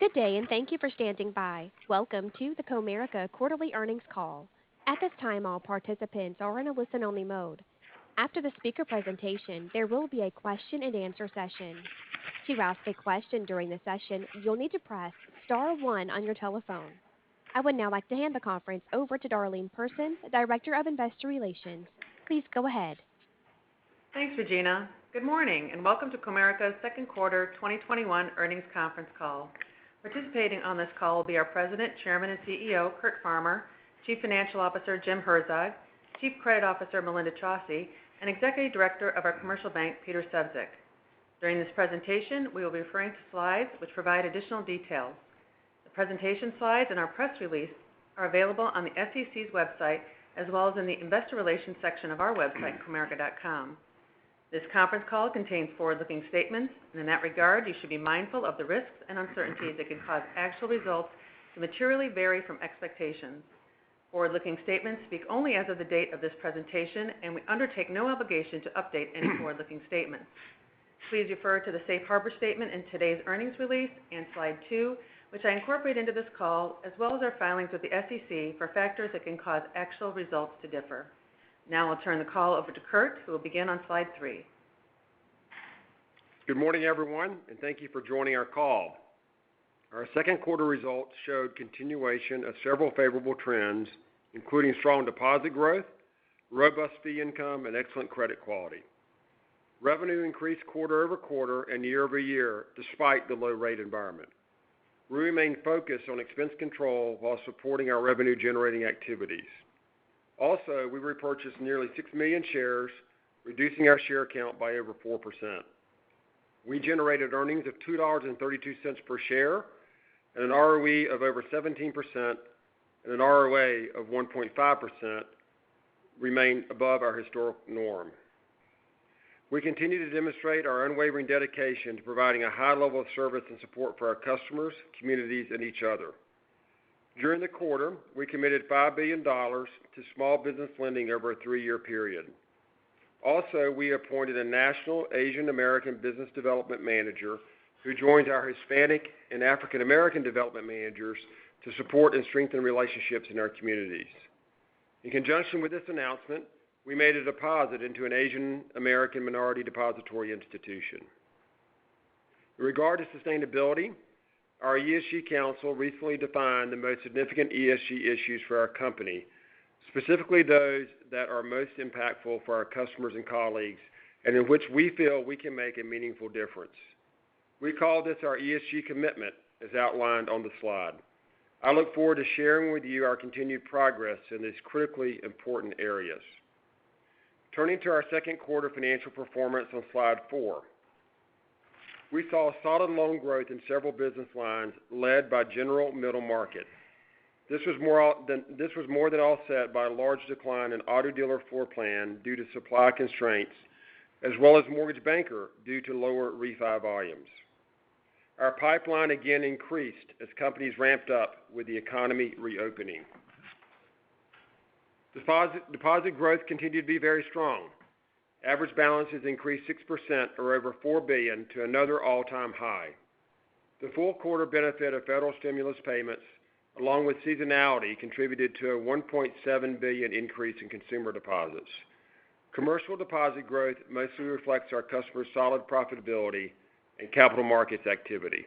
Good day, and thank you for standing by. Welcome to the Comerica Quarterly Earnings Call. At this time, all participants are in a listen-only mode. After the speaker presentation, there will be a question and answer session. To ask a question during the session, you'll need to press star one on your telephone. I would now like to hand the conference over to Darlene Persons, Director of Investor Relations. Please go ahead. Thanks, Regina. Good morning, welcome to Comerica's second quarter 2021 earnings conference call. Participating on this call will be our President, Chairman, and CEO, Curt Farmer, Chief Financial Officer, Jim Herzog, Chief Credit Officer, Melinda Chausse, and Executive Director of our Commercial Bank, Peter Sefzik. During this presentation, we will be referring to slides which provide additional details. The presentation slides and our press release are available on the SEC's website, as well as in the Investor Relations section of our website, comerica.com. This conference call contains forward-looking statements, in that regard, you should be mindful of the risks and uncertainties that can cause actual results to materially vary from expectations. Forward-looking statements speak only as of the date of this presentation, we undertake no obligation to update any forward-looking statements. Please refer to the safe harbor statement in today's earnings release and slide two, which I incorporate into this call, as well as our filings with the SEC for factors that can cause actual results to differ. I'll turn the call over to Curt, who will begin on slide three. Good morning, everyone, and thank you for joining our call. Our second quarter results showed continuation of several favorable trends, including strong deposit growth, robust fee income, and excellent credit quality. Revenue increased quarter-over-quarter and year-over-year despite the low rate environment. We remain focused on expense control while supporting our revenue-generating activities. Also, we repurchased nearly 6 million shares, reducing our share count by over 4%. We generated earnings of $2.32 per share and an ROE of over 17% and an ROA of 1.5% remain above our historic norm. We continue to demonstrate our unwavering dedication to providing a high level of service and support for our customers, communities, and each other. During the quarter, we committed $5 billion to small business lending over a three-year period. Also, we appointed a National Asian American Business Development Manager who joined our Hispanic and African American development managers to support and strengthen relationships in our communities. In conjunction with this announcement, we made a deposit into an Asian American Minority Depository Institution. In regard to sustainability, our ESG council recently defined the most significant ESG issues for our company, specifically those that are most impactful for our customers and colleagues and in which we feel we can make a meaningful difference. We call this our ESG commitment, as outlined on the slide. I look forward to sharing with you our continued progress in these critically important areas. Turning to our second quarter financial performance on slide four. We saw solid loan growth in several business lines led by General Middle Market. This was more than offset by a large decline in auto dealer floor plan due to supply constraints as well as Mortgage Banker due to lower refi volumes. Our pipeline again increased as companies ramped up with the economy reopening. Deposit growth continued to be very strong. Average balances increased 6% or over $4 billion to another all-time high. The full quarter benefit of federal stimulus payments, along with seasonality, contributed to a $1.7 billion increase in consumer deposits. Commercial deposit growth mostly reflects our customers' solid profitability and capital markets activity.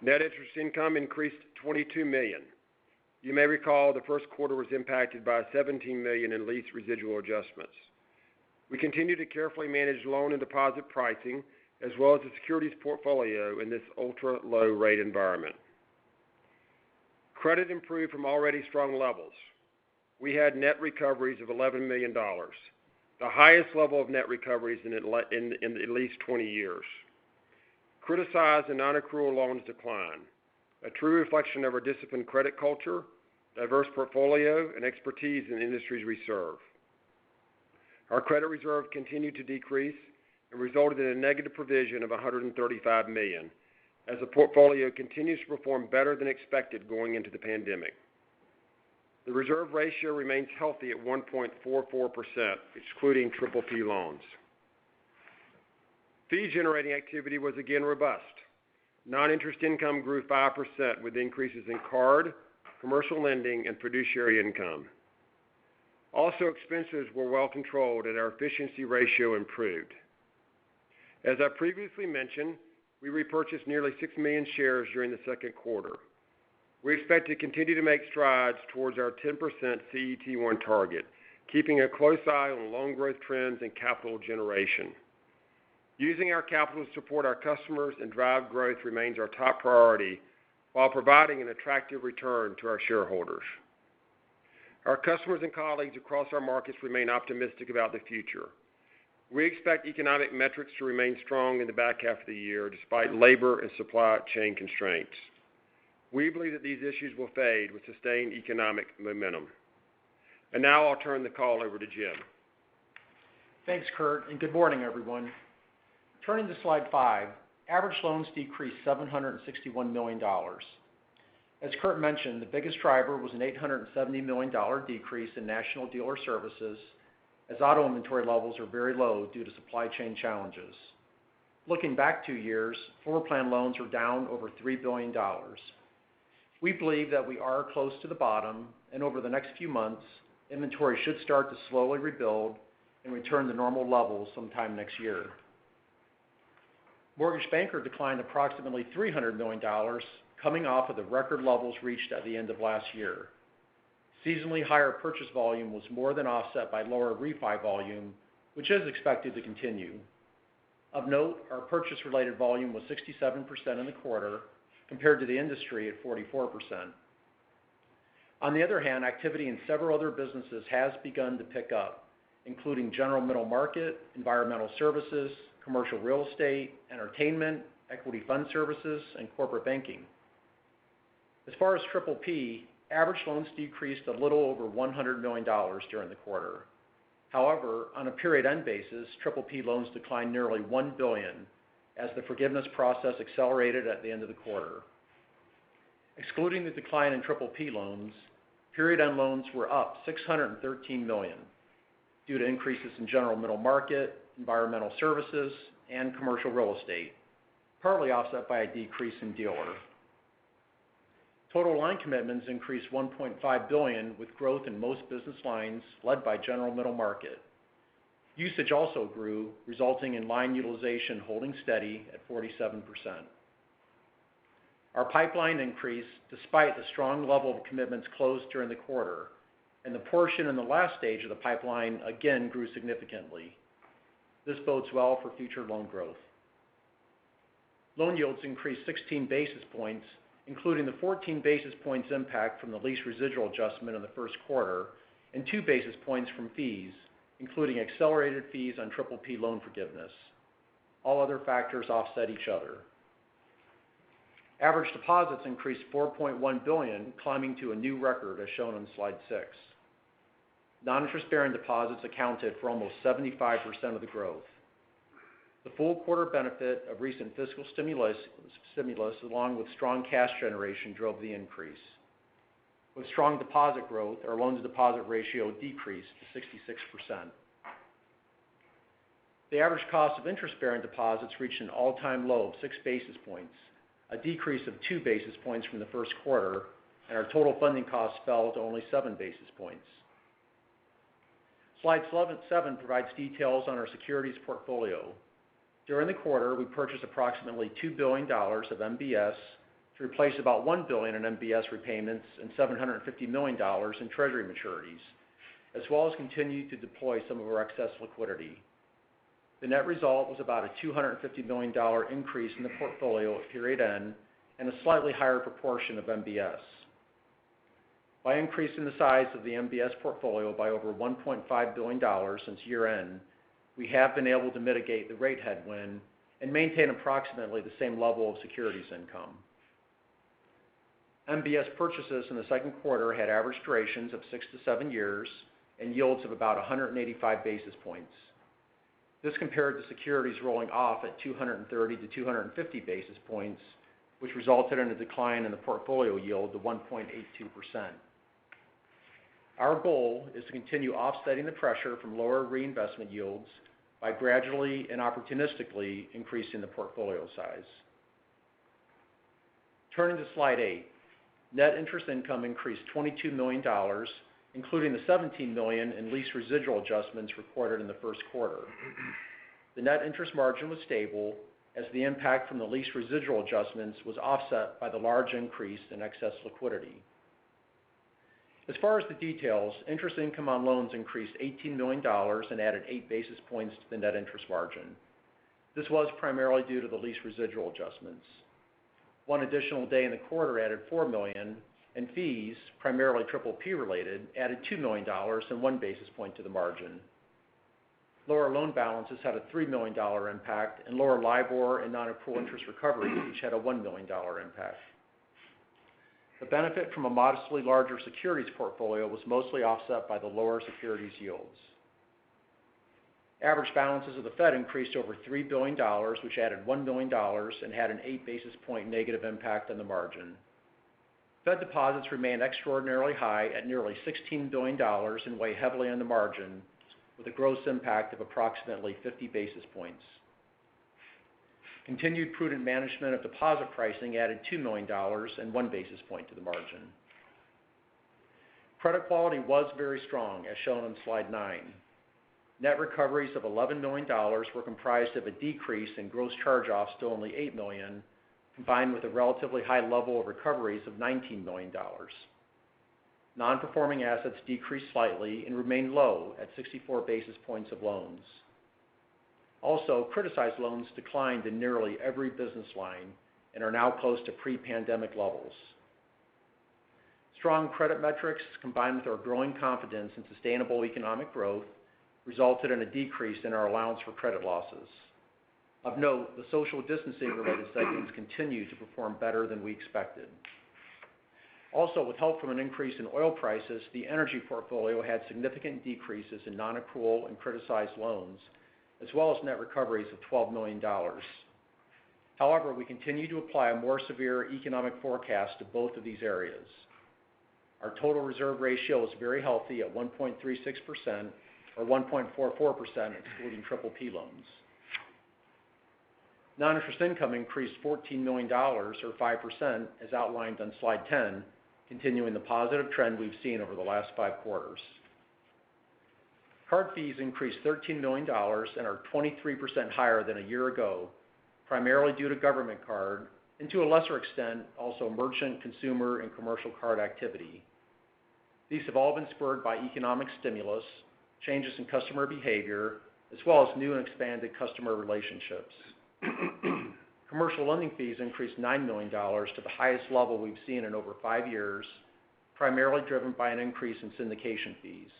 Net interest income increased $22 million. You may recall the first quarter was impacted by a $17 million in lease residual adjustments. We continue to carefully manage loan and deposit pricing as well as the securities portfolio in this ultra low rate environment. Credit improved from already strong levels. We had net recoveries of $11 million, the highest level of net recoveries in at least 20 years. Criticized and non-accrual loans declined, a true reflection of our disciplined credit culture, diverse portfolio, and expertise in the industries we serve. Our credit reserve continued to decrease and resulted in a negative provision of $135 million as the portfolio continues to perform better than expected going into the pandemic. The reserve ratio remains healthy at 1.44%, excluding PPP loans. Fee generating activity was again robust. Non-interest income grew 5% with increases in card, commercial lending, and fiduciary income. Also, expenses were well controlled and our efficiency ratio improved. As I previously mentioned, we repurchased nearly 6 million shares during the second quarter. We expect to continue to make strides towards our 10% CET1 target, keeping a close eye on loan growth trends and capital generation. Using our capital to support our customers and drive growth remains our top priority while providing an attractive return to our shareholders. Our customers and colleagues across our markets remain optimistic about the future. We expect economic metrics to remain strong in the back half of the year despite labor and supply chain constraints. We believe that these issues will fade with sustained economic momentum. Now I'll turn the call over to Jim. Thanks, Curt, and good morning, everyone. Turning to slide five, average loans decreased $761 million. As Curt mentioned, the biggest driver was an $870 million decrease in National Dealer Services, as auto inventory levels are very low due to supply chain challenges. Looking back two years, floor plan loans are down over $3 billion. We believe that we are close to the bottom, and over the next few months, inventory should start to slowly rebuild and return to normal levels sometime next year. Mortgage Banker declined approximately $300 million coming off of the record levels reached at the end of last year. Seasonally higher purchase volume was more than offset by lower refi volume, which is expected to continue. Of note, our purchase related volume was 67% in the quarter, compared to the industry at 44%. On the other hand, activity in several other businesses has begun to pick up, including General Middle Market, Environmental Services, Commercial Real Estate, Entertainment, Equity Fund Services, and Corporate Banking. As far as PPP, average loans decreased a little over $100 million during the quarter. On a period end basis, PPP loans declined nearly $1 billion as the forgiveness process accelerated at the end of the quarter. Excluding the decline in PPP loans, period end loans were up $613 million due to increases in General Middle Market, Environmental Services, and Commercial Real Estate, partly offset by a decrease in dealer. Total line commitments increased $1.5 billion with growth in most business lines led by General Middle Market. Usage also grew, resulting in line utilization holding steady at 47%. Our pipeline increased despite the strong level of commitments closed during the quarter, and the portion in the last stage of the pipeline again grew significantly. This bodes well for future loan growth. Loan yields increased 16 basis points, including the 14 basis points impact from the lease residual adjustment in the first quarter, and 2 basis points from fees, including accelerated fees on PPP loan forgiveness. All other factors offset each other. Average deposits increased $4.1 billion, climbing to a new record as shown on slide 6. Non-interest-bearing deposits accounted for almost 75% of the growth. The full quarter benefit of recent fiscal stimulus along with strong cash generation drove the increase. With strong deposit growth, our loans-to-deposit ratio decreased to 66%. The average cost of interest-bearing deposits reached an all-time low of 6 basis points, a decrease of 2 basis points from the first quarter. Our total funding cost fell to only 7 basis points. Slide seven provides details on our securities portfolio. During the quarter, we purchased approximately $2 billion of MBS to replace about $1 billion in MBS repayments and $750 million in treasury maturities, as well as continued to deploy some of our excess liquidity. The net result was about a $250 million increase in the portfolio at period end and a slightly higher proportion of MBS. By increasing the size of the MBS portfolio by over $1.5 billion since year-end, we have been able to mitigate the rate headwind and maintain approximately the same level of securities income. MBS purchases in the second quarter had average durations of six to seven years and yields of about 185 basis points. This compared to securities rolling off at 230 basis points-250 basis points, which resulted in a decline in the portfolio yield to 1.82%. Our goal is to continue offsetting the pressure from lower reinvestment yields by gradually and opportunistically increasing the portfolio size. Turning to slide eight. Net interest income increased $22 million, including the $17 million in lease residual adjustments recorded in the first quarter. The net interest margin was stable as the impact from the lease residual adjustments was offset by the large increase in excess liquidity. As far as the details, Interest income on loans increased $18 million and added 8 basis points to the net interest margin. This was primarily due to the lease residual adjustments. One additional day in the quarter added $4 million, and fees, primarily PPP related, added $2 million and 1 basis point to the margin. Lower loan balances had a $3 million impact, and lower LIBOR and non-accrual interest recovery each had a $1 million impact. The benefit from a modestly larger securities portfolio was mostly offset by the lower securities yields. Average balances of the Fed increased over $3 billion, which added $1 million and had an 8 basis point negative impact on the margin. Fed deposits remained extraordinarily high at nearly $16 billion and weigh heavily on the margin with a gross impact of approximately 50 basis points. Continued prudent management of deposit pricing added $2 million and 1 basis point to the margin. Credit quality was very strong, as shown on slide nine. Net recoveries of $11 million were comprised of a decrease in gross charge-offs to only $8 million, combined with a relatively high level of recoveries of $19 million. Non-performing assets decreased slightly and remained low at 64 basis points of loans. Criticized loans declined in nearly every business line and are now close to pre-pandemic levels. Strong credit metrics, combined with our growing confidence in sustainable economic growth, resulted in a decrease in our allowance for credit losses. Of note, the social distancing related segments continue to perform better than we expected. With help from an increase in oil prices, the energy portfolio had significant decreases in non-accrual and criticized loans, as well as net recoveries of $12 million. We continue to apply a more severe economic forecast to both of these areas. Our total reserve ratio is very healthy at 1.36%, or 1.44% excluding PPP loans. Non-interest income increased $14 million or 5% as outlined on slide 10, continuing the positive trend we've seen over the last five quarters. Card fees increased $13 million and are 23% higher than a year ago, primarily due to government card and to a lesser extent, also merchant, consumer, and commercial card activity. These have all been spurred by economic stimulus, changes in customer behavior, as well as new and expanded customer relationships. Commercial lending fees increased $9 million to the highest level we've seen in over five years, primarily driven by an increase in syndication fees.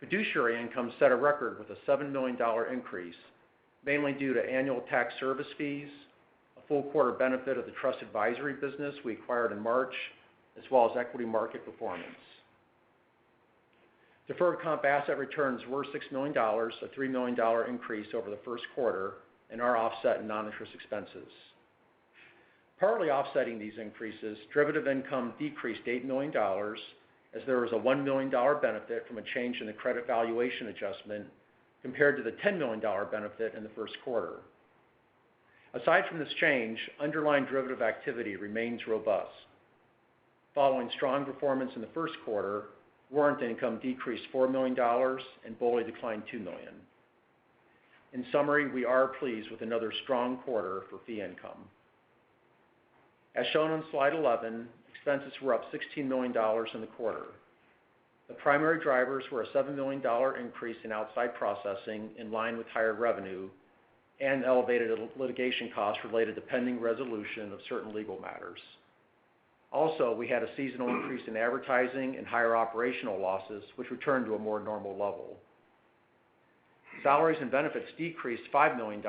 Fiduciary income set a record with a $7 million increase, mainly due to annual tax service fees, a full quarter benefit of the trust advisory business we acquired in March, as well as equity market performance. Deferred comp asset returns were $6 million, a $3 million increase over the first quarter and are offset in non-interest expenses. Partly offsetting these increases, derivative income decreased $8 million as there was a $1 million benefit from a change in the credit valuation adjustment compared to the $10 million benefit in the first quarter. Aside from this change, underlying derivative activity remains robust. Following strong performance in the first quarter, warrant income decreased $4 million and BOLI declined $2 million. In summary, we are pleased with another strong quarter for fee income. As shown on slide 11, expenses were up $16 million in the quarter. The primary drivers were a $7 million increase in outside processing, in line with higher revenue, and elevated litigation costs related to pending resolution of certain legal matters. Also, we had a seasonal increase in advertising and higher operational losses, which returned to a more normal level. Salaries and benefits decreased $5 million,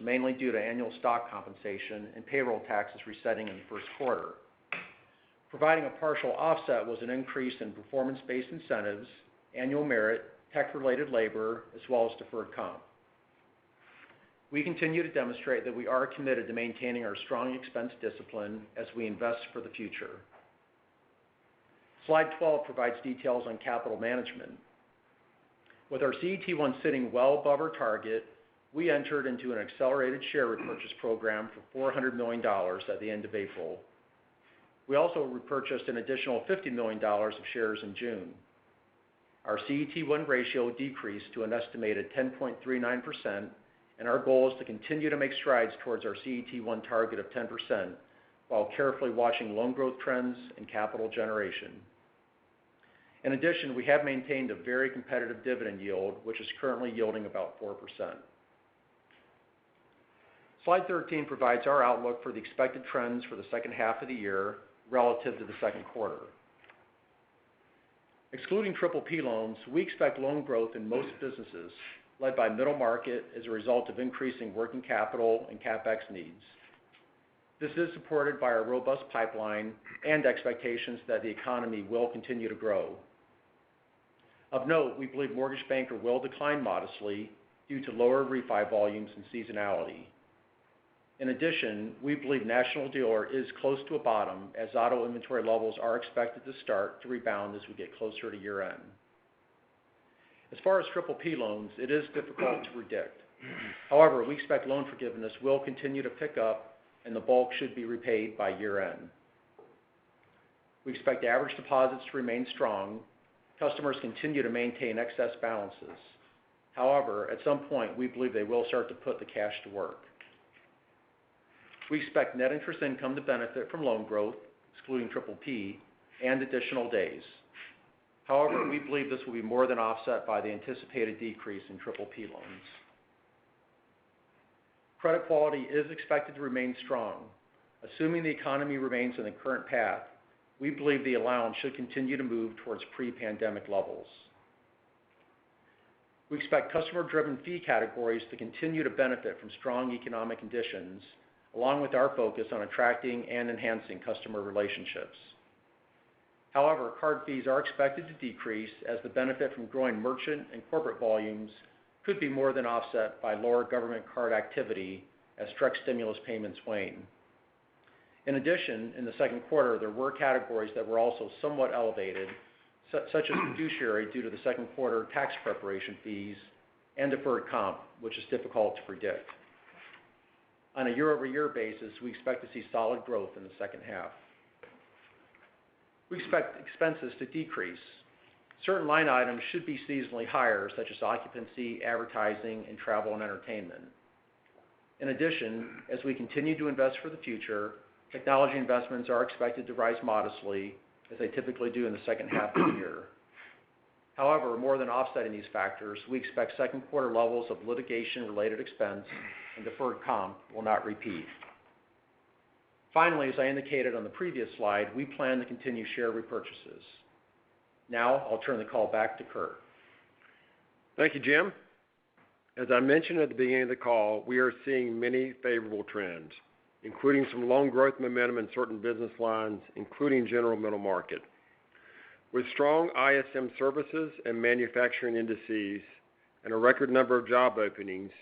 mainly due to annual stock compensation and payroll taxes resetting in the first quarter. Providing a partial offset was an increase in performance-based incentives, annual merit, tech-related labor, as well as deferred comp. We continue to demonstrate that we are committed to maintaining our strong expense discipline as we invest for the future. Slide 12 provides details on capital management. With our CET1 sitting well above our target, we entered into an accelerated share repurchase program for $400 million at the end of April. We also repurchased an additional $50 million of shares in June. Our CET1 ratio decreased to an estimated 10.39%, and our goal is to continue to make strides towards our CET1 target of 10% while carefully watching loan growth trends and capital generation. In addition, we have maintained a very competitive dividend yield, which is currently yielding about 4%. Slide 13 provides our outlook for the expected trends for the second half of the year relative to the second quarter. Excluding PPP loans, we expect loan growth in most businesses, led by middle market as a result of increasing working capital and CapEx needs. This is supported by our robust pipeline and expectations that the economy will continue to grow. Of note, we believe Mortgage Banker will decline modestly due to lower refi volumes and seasonality. We believe National Dealer Services is close to a bottom as auto inventory levels are expected to start to rebound as we get closer to year-end. As far as PPP loans, it is difficult to predict. We expect loan forgiveness will continue to pick up and the bulk should be repaid by year-end. We expect average deposits to remain strong. Customers continue to maintain excess balances. At some point, we believe they will start to put the cash to work. We expect net interest income to benefit from loan growth, excluding PPP and additional days. We believe this will be more than offset by the anticipated decrease in PPP loans. Credit quality is expected to remain strong. Assuming the economy remains on the current path, we believe the allowance should continue to move towards pre-pandemic levels. We expect customer-driven fee categories to continue to benefit from strong economic conditions, along with our focus on attracting and enhancing customer relationships. Card fees are expected to decrease as the benefit from growing merchant and corporate volumes could be more than offset by lower government card activity as direct stimulus payments wane. In addition, in the second quarter, there were categories that were also somewhat elevated, such as fiduciary, due to the second quarter tax preparation fees and deferred comp, which is difficult to predict. On a year-over-year basis, we expect to see solid growth in the second half. We expect expenses to decrease. Certain line items should be seasonally higher, such as occupancy, advertising, and travel and entertainment. In addition, as we continue to invest for the future, technology investments are expected to rise modestly as they typically do in the second half of the year. However, more than offsetting these factors, we expect second quarter levels of litigation-related expense and deferred comp will not repeat. Finally, as I indicated on the previous slide, we plan to continue share repurchases. Now I'll turn the call back to Curt. Thank you, Jim. As I mentioned at the beginning of the call, we are seeing many favorable trends, including some loan growth momentum in certain business lines, including General Middle Market. With strong ISM services and manufacturing indices and a record number of job openings,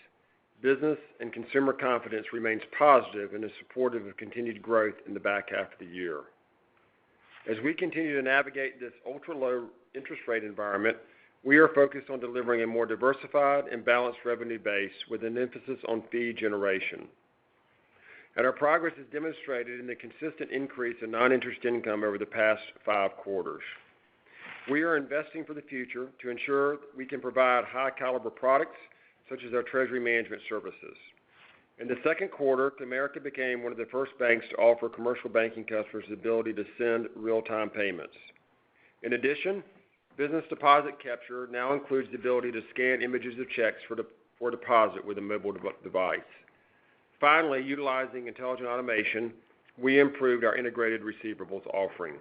business and consumer confidence remains positive and is supportive of continued growth in the back half of the year. As we continue to navigate this ultra-low interest rate environment, we are focused on delivering a more diversified and balanced revenue base with an emphasis on fee generation. Our progress is demonstrated in the consistent increase in non-interest income over the past five quarters. We are investing for the future to ensure we can provide high-caliber products, such as our treasury management services. In the second quarter, Comerica became one of the first banks to offer commercial banking customers the ability to send real-time payments. In addition, business deposit capture now includes the ability to scan images of checks for deposit with a mobile device. Finally, utilizing intelligent automation, we improved our integrated receivables offering.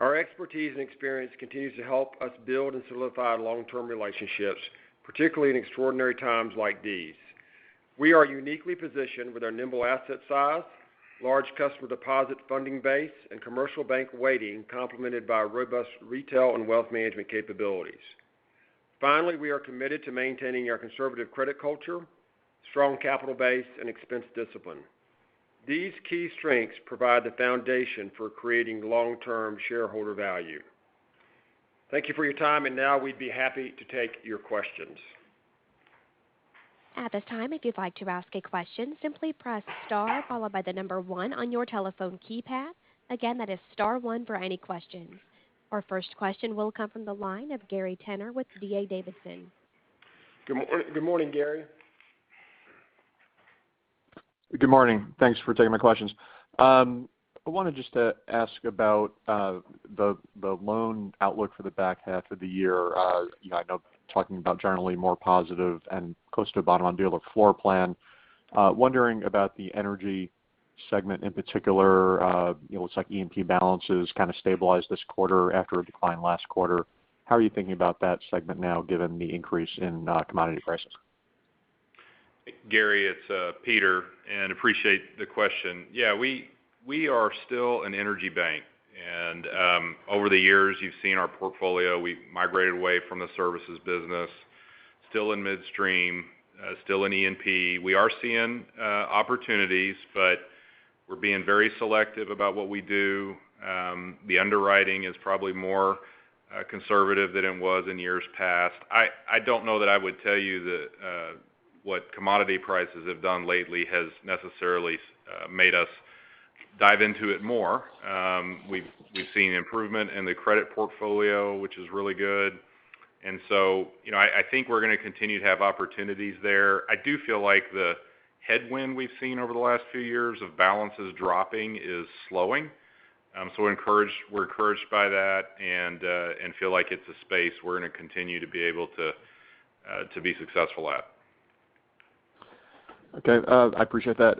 Our expertise and experience continues to help us build and solidify long-term relationships, particularly in extraordinary times like these. We are uniquely positioned with our nimble asset size, large customer deposit funding base, and commercial bank weighting complemented by robust retail and wealth management capabilities. Finally, we are committed to maintaining our conservative credit culture, strong capital base, and expense discipline. These key strengths provide the foundation for creating long-term shareholder value. Thank you for your time, and now we'd be happy to take your questions. Our first question will come from the line of Gary Tenner with D.A. Davidson. Good morning, Gary. Good morning. Thanks for taking my questions. I wanted just to ask about the loan outlook for the back half of the year. I know talking about generally more positive and close to a bottom on dealer floor plan. Wondering about the energy segment in particular. It looks like E&P balances kind of stabilized this quarter after a decline last quarter. How are you thinking about that segment now, given the increase in commodity prices? Gary, it's Peter. Appreciate the question. Yeah, we are still an energy bank. Over the years, you've seen our portfolio. We've migrated away from the services business. Still in midstream, still in E&P. We are seeing opportunities, but we're being very selective about what we do. The underwriting is probably more conservative than it was in years past. I don't know that I would tell you that what commodity prices have done lately has necessarily made us dive into it more. We've seen improvement in the credit portfolio, which is really good. So I think we're going to continue to have opportunities there. I do feel like the headwind we've seen over the last few years of balances dropping is slowing. We're encouraged by that and feel like it's a space we're going to continue to be able to be successful at. Okay. I appreciate that.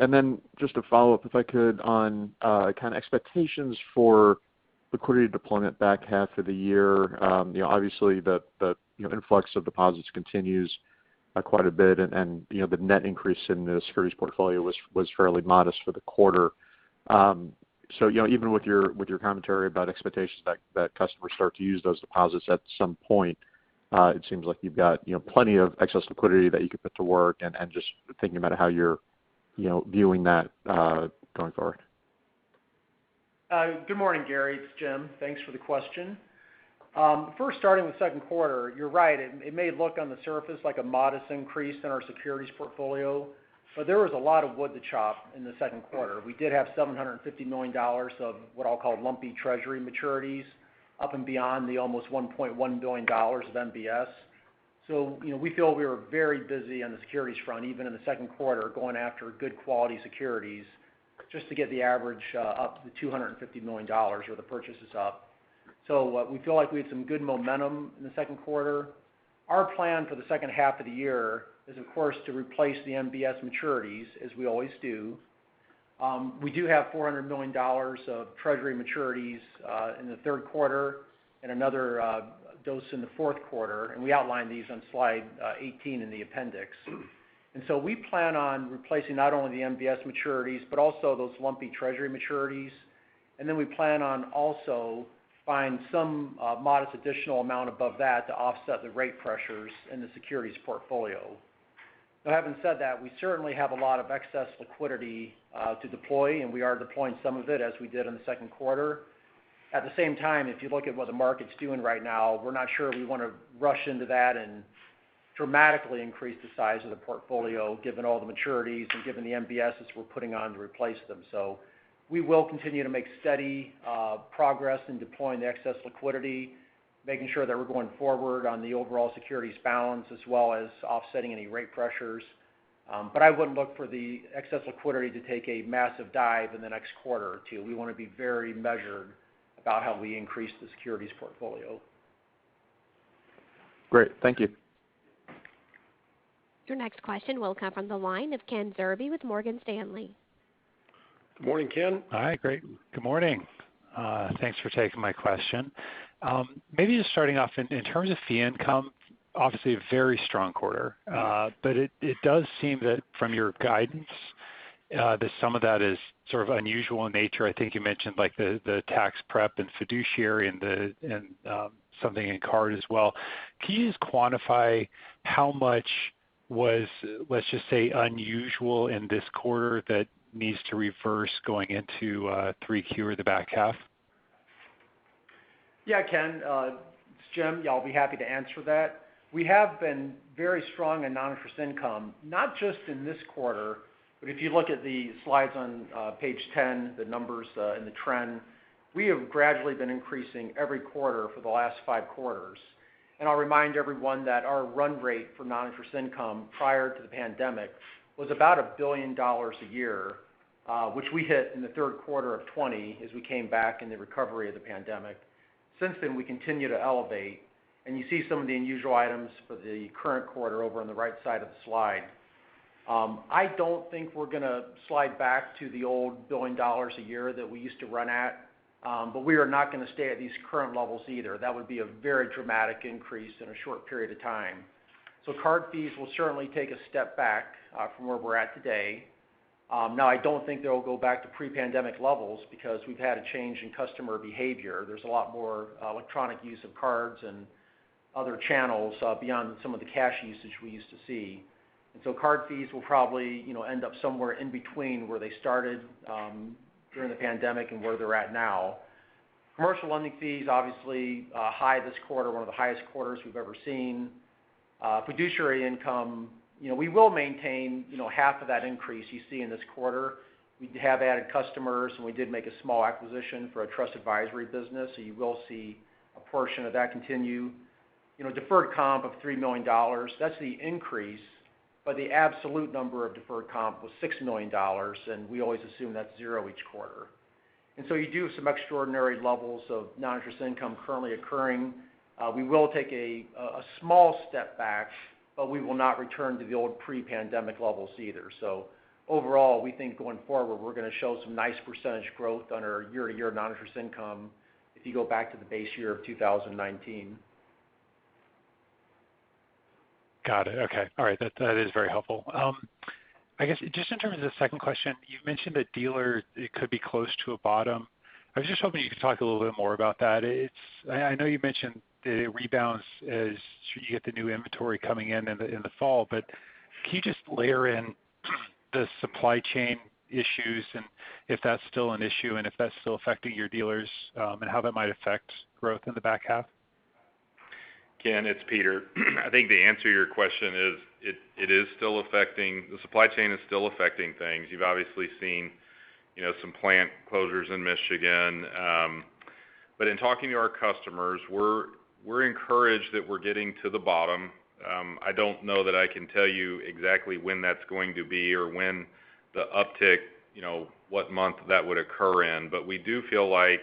Just a follow-up, if I could, on kind of expectations for liquidity deployment back half of the year. Obviously, the influx of deposits continues quite a bit, and the net increase in the securities portfolio was fairly modest for the quarter. Even with your commentary about expectations that customers start to use those deposits at some point, it seems like you've got plenty of excess liquidity that you could put to work and just thinking about how you're viewing that going forward. Good morning, Gary. It's Jim. Thanks for the question. Starting with second quarter, you're right. It may look on the surface like a modest increase in our securities portfolio, there was a lot of wood to chop in the second quarter. We did have $750 million of what I'll call lumpy treasury maturities up and beyond the almost $1.1 billion of MBS. We feel we were very busy on the securities front, even in the second quarter, going after good quality securities just to get the average up to the $250 million or the purchases up. We feel like we had some good momentum in the second quarter. Our plan for the second half of the year is, of course, to replace the MBS maturities, as we always do. We do have $400 million of treasury maturities in the third quarter and another dose in the fourth quarter, we outline these on slide 18 in the appendix. So we plan on replacing not only the MBS maturities, but also those lumpy treasury maturities. Then we plan on also fund some modest additional amount above that to offset the rate pressures in the securities portfolio. Now, having said that, we certainly have a lot of excess liquidity to deploy, and we are deploying some of it as we did in the second quarter. At the same time, if you look at what the market's doing right now, we're not sure we want to rush into that and dramatically increase the size of the portfolio, given all the maturities and given the MBSs we're putting on to replace them. We will continue to make steady progress in deploying the excess liquidity, making sure that we're going forward on the overall securities balance, as well as offsetting any rate pressures. I wouldn't look for the excess liquidity to take a massive dive in the next quarter or two. We want to be very measured about how we increase the securities portfolio. Great. Thank you. Your next question will come from the line of Ken Zerbe with Morgan Stanley. Good morning, Ken. Hi. Great. Good morning. Thanks for taking my question. Maybe just starting off, in terms of fee income, obviously a very strong quarter. It does seem that from your guidance, that some of that is sort of unusual in nature. I think you mentioned the tax prep and fiduciary and something in card as well. Can you just quantify how much was, let's just say, unusual in this quarter that needs to reverse going into 3Q or the back half? Yeah, Ken. It's Jim. I'll be happy to answer that. We have been very strong in non-interest income, not just in this quarter, but if you look at the slides on page 10, the numbers and the trend, we have gradually been increasing every quarter for the last five quarters. I'll remind everyone that our run rate for non-interest income prior to the pandemic was about $1 billion a year, which we hit in the third quarter of 2020 as we came back in the recovery of the pandemic. Since then, we continue to elevate, and you see some of the unusual items for the current quarter over on the right side of the slide. I don't think we're going to slide back to the old $1 billion a year that we used to run at. We are not going to stay at these current levels either. That would be a very dramatic increase in a short period of time. Card fees will certainly take a step back from where we're at today. Now, I don't think they'll go back to pre-pandemic levels because we've had a change in customer behavior. There's a lot more electronic use of cards and other channels beyond some of the cash usage we used to see. Card fees will probably end up somewhere in between where they started during the pandemic and where they're at now. Commercial lending fees, obviously high this quarter, one of the highest quarters we've ever seen. Fiduciary income, we will maintain half of that increase you see in this quarter. We have added customers, and we did make a small acquisition for a trust advisory business. You will see a portion of that continue. Deferred comp of $3 million. That's the increase, but the absolute number of deferred comp was $6 million, and we always assume that's zero each quarter. You do have some extraordinary levels of non-interest income currently occurring. We will take a small step back, but we will not return to the old pre-pandemic levels either. Overall, we think going forward, we're going to show some nice percentage growth on our year-over-year non-interest income if you go back to the base year of 2019. Got it. Okay. All right. That is very helpful. I guess, just in terms of the second question, you've mentioned that dealer, it could be close to a bottom. I was just hoping you could talk a little bit more about that. I know you mentioned that it rebounds as you get the new inventory coming in in the fall, but can you just layer in the supply chain issues, and if that's still an issue and if that's still affecting your dealers, and how that might affect growth in the back half? Ken, it's Peter. I think the answer to your question is the supply chain is still affecting things. You've obviously seen some plant closures in Michigan. In talking to our customers, we're encouraged that we're getting to the bottom. I don't know that I can tell you exactly when that's going to be or when the uptick, what month that would occur in. We do feel like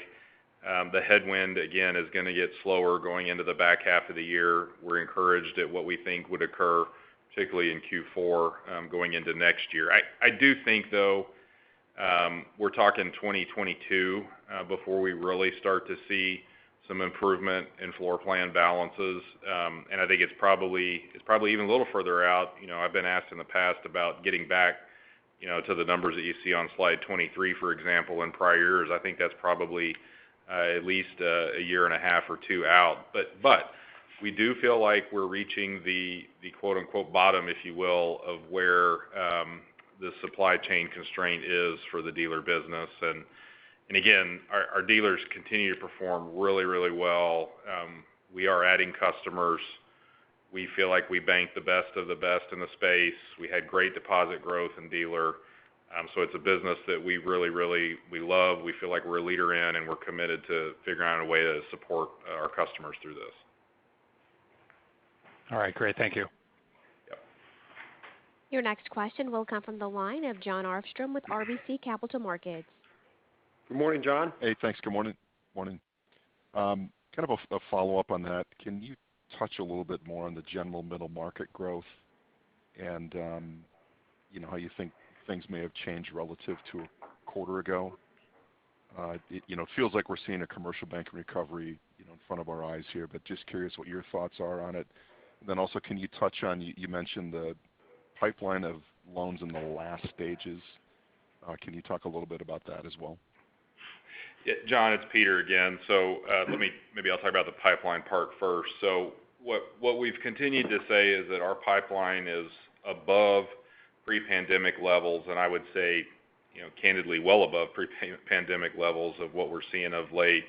the headwind, again, is going to get slower going into the back half of the year. We're encouraged at what we think would occur, particularly in Q4, going into next year. I do think, though, we're talking 2022 before we really start to see some improvement in floor plan balances. I think it's probably even a little further out. I've been asked in the past about getting back to the numbers that you see on slide 23, for example, in prior years. I think that's probably at least a year and a half or two out. But we do feel like we're reaching the "bottom," if you will, of where the supply chain constraint is for the dealer business. And again, our dealers continue to perform really well. We are adding customers. We feel like we bank the best of the best in the space. We had great deposit growth in dealer. So it's a business that we really love. We feel like we're a leader in, and we're committed to figuring out a way to support our customers through this. All right. Great. Thank you. Yep. Your next question will come from the line of Jon Arfstrom with RBC Capital Markets. Good morning, Jon. Hey, thanks. Good morning. Kind of a follow-up on that. Can you touch a little bit more on the General Middle Market growth and how you think things may have changed relative to a quarter ago? It feels like we're seeing a commercial banking recovery in front of our eyes here, but just curious what your thoughts are on it. Also, can you touch on, you mentioned the pipeline of loans in the last stages. Can you talk a little bit about that as well? Jon, it's Peter again. Maybe I'll talk about the pipeline part first. What we've continued to say is that our pipeline is above pre-pandemic levels, and I would say, candidly, well above pre-pandemic levels of what we're seeing of late.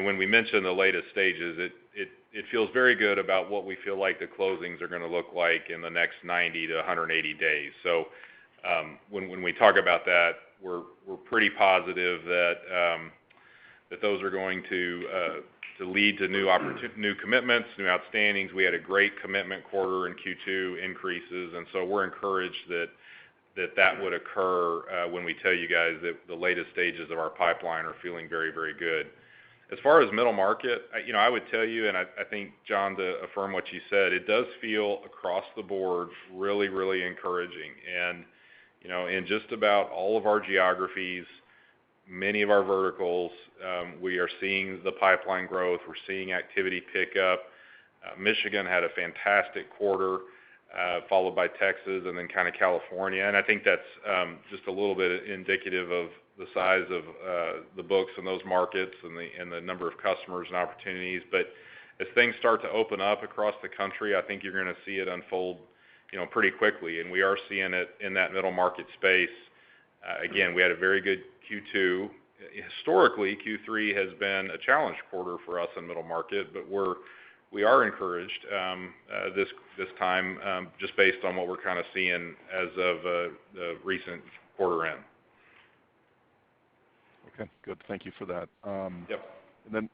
When we mention the latest stages, it feels very good about what we feel like the closings are going to look like in the next 90 days-180 days. When we talk about that, we're pretty positive that those are going to lead to new commitments, new outstandings. We had a great commitment quarter in Q2 increases, we're encouraged that that would occur when we tell you guys that the latest stages of our pipeline are feeling very good. As far as middle market, I would tell you, I think, Jon, to affirm what you said, it does feel across the board really, really encouraging. In just about all of our geographies, many of our verticals, we are seeing the pipeline growth. We're seeing activity pick up. Michigan had a fantastic quarter, followed by Texas, and then kind of California. I think that's just a little bit indicative of the size of the books in those markets and the number of customers and opportunities. As things start to open up across the country, I think you're going to see it unfold pretty quickly. We are seeing it in that middle market space. Again, we had a very good Q2. Historically, Q3 has been a challenged quarter for us in middle market, but we are encouraged this time just based on what we're kind of seeing as of the recent quarter end. Okay, good. Thank you for that. Yep. Then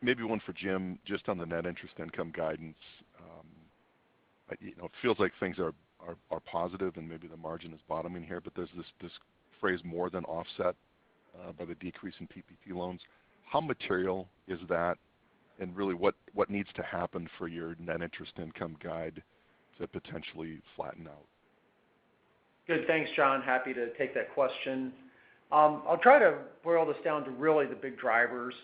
maybe one for Jim, just on the net interest income guidance. It feels like things are positive and maybe the margin is bottoming here, but there's this phrase more than offset by the decrease in PPP loans. How material is that, and really what needs to happen for your net interest income guide to potentially flatten out? Good. Thanks, Jon. Happy to take that question. I'll try to boil this down to really the big drivers.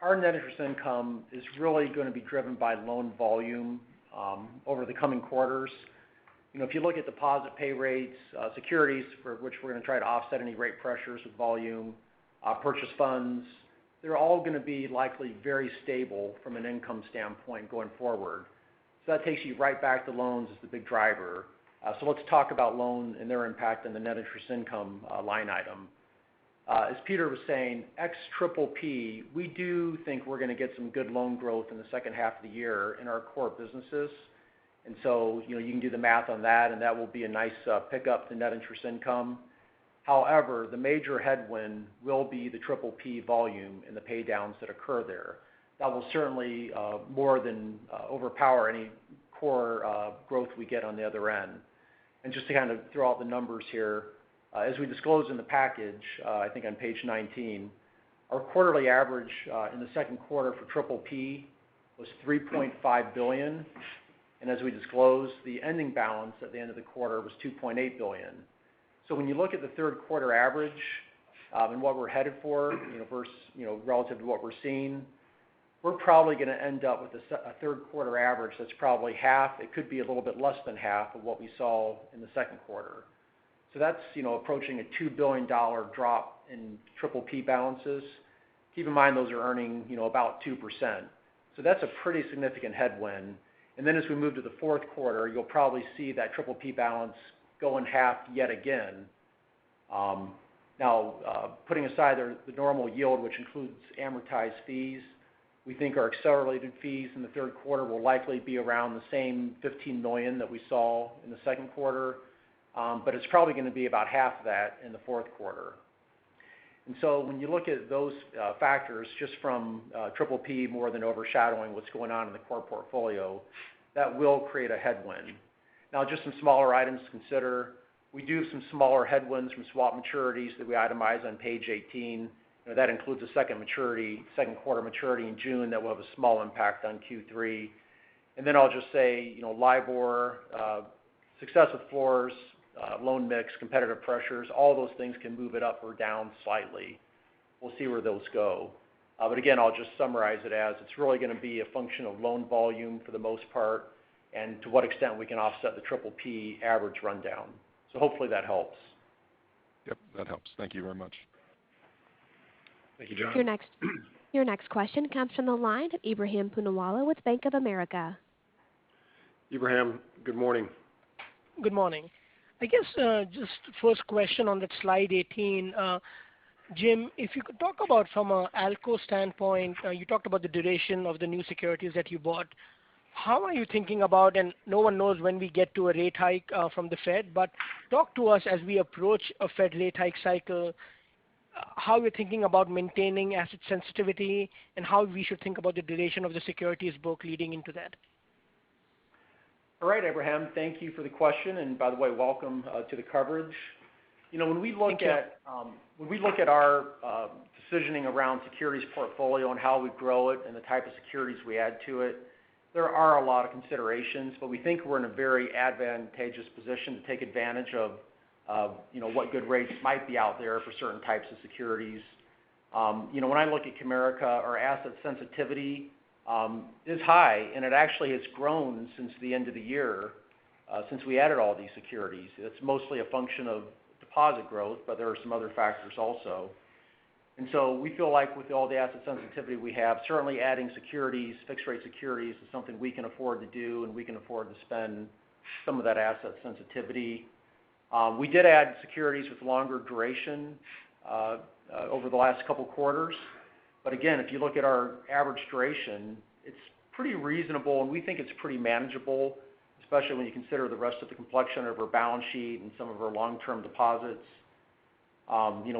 Our net interest income is really going to be driven by loan volume over the coming quarters. If you look at deposit pay rates, securities for which we're going to try to offset any rate pressures with volume, purchase funds, they're all going to be likely very stable from an income standpoint going forward. That takes you right back to loans as the big driver. Let's talk about loans and their impact on the net interest income line item. As Peter was saying, ex-PPP, we do think we're going to get some good loan growth in the second half of the year in our core businesses. You can do the math on that, and that will be a nice pickup to net interest income. However, the major headwind will be the PPP volume and the paydowns that occur there. That will certainly more than overpower any core growth we get on the other end. Just to kind of throw out the numbers here, as we disclose in the package, I think on page 19, our quarterly average in the second quarter for PPP was $3.5 billion. As we disclosed, the ending balance at the end of the quarter was $2.8 billion. When you look at the third quarter average and what we're headed for versus relative to what we're seeing, we're probably going to end up with a third quarter average that's probably half. It could be a little bit less than half of what we saw in the second quarter. That's approaching a $2 billion drop in PPP balances. Keep in mind, those are earning about 2%. That's a pretty significant headwind. Then as we move to the fourth quarter, you'll probably see that PPP balance go in half yet again. Putting aside the normal yield, which includes amortized fees, we think our accelerated fees in the third quarter will likely be around the same $15 million that we saw in the second quarter. It's probably going to be about half that in the fourth quarter. When you look at those factors just from PPP more than overshadowing what's going on in the core portfolio, that will create a headwind. Just some smaller items to consider. We do some smaller headwinds from swap maturities that we itemize on page 18. That includes a second quarter maturity in June that will have a small impact on Q3. I'll just say, LIBOR, success with floors, loan mix, competitive pressures, all those things can move it up or down slightly. We'll see where those go. Again, I'll just summarize it as it's really going to be a function of loan volume for the most part and to what extent we can offset the PPP average rundown. Hopefully that helps. Yep, that helps. Thank you very much. Thank you, Jon. Your next question comes from the line of Ebrahim Poonawala with Bank of America. Ebrahim, good morning. Good morning. I guess just first question on that slide 18. Jim, if you could talk about from an ALCO standpoint, you talked about the duration of the new securities that you bought. No one knows when we get to a rate hike from the Fed, but talk to us as we approach a Fed rate hike cycle, how you're thinking about maintaining asset sensitivity and how we should think about the duration of the securities book leading into that. All right, Ebrahim Poonawala. Thank you for the question, and by the way, welcome to the coverage. Thank you. When we look at our decisioning around securities portfolio and how we grow it and the type of securities we add to it, there are a lot of considerations, but we think we're in a very advantageous position to take advantage of what good rates might be out there for certain types of securities. When I look at Comerica, our asset sensitivity is high, and it actually has grown since the end of the year since we added all these securities. It's mostly a function of deposit growth, but there are some other factors also. We feel like with all the asset sensitivity we have, certainly adding securities, fixed rate securities is something we can afford to do, and we can afford to spend some of that asset sensitivity. We did add securities with longer duration over the last couple of quarters. Again, if you look at our average duration, it's pretty reasonable, and we think it's pretty manageable, especially when you consider the rest of the complexion of our balance sheet and some of our long-term deposits.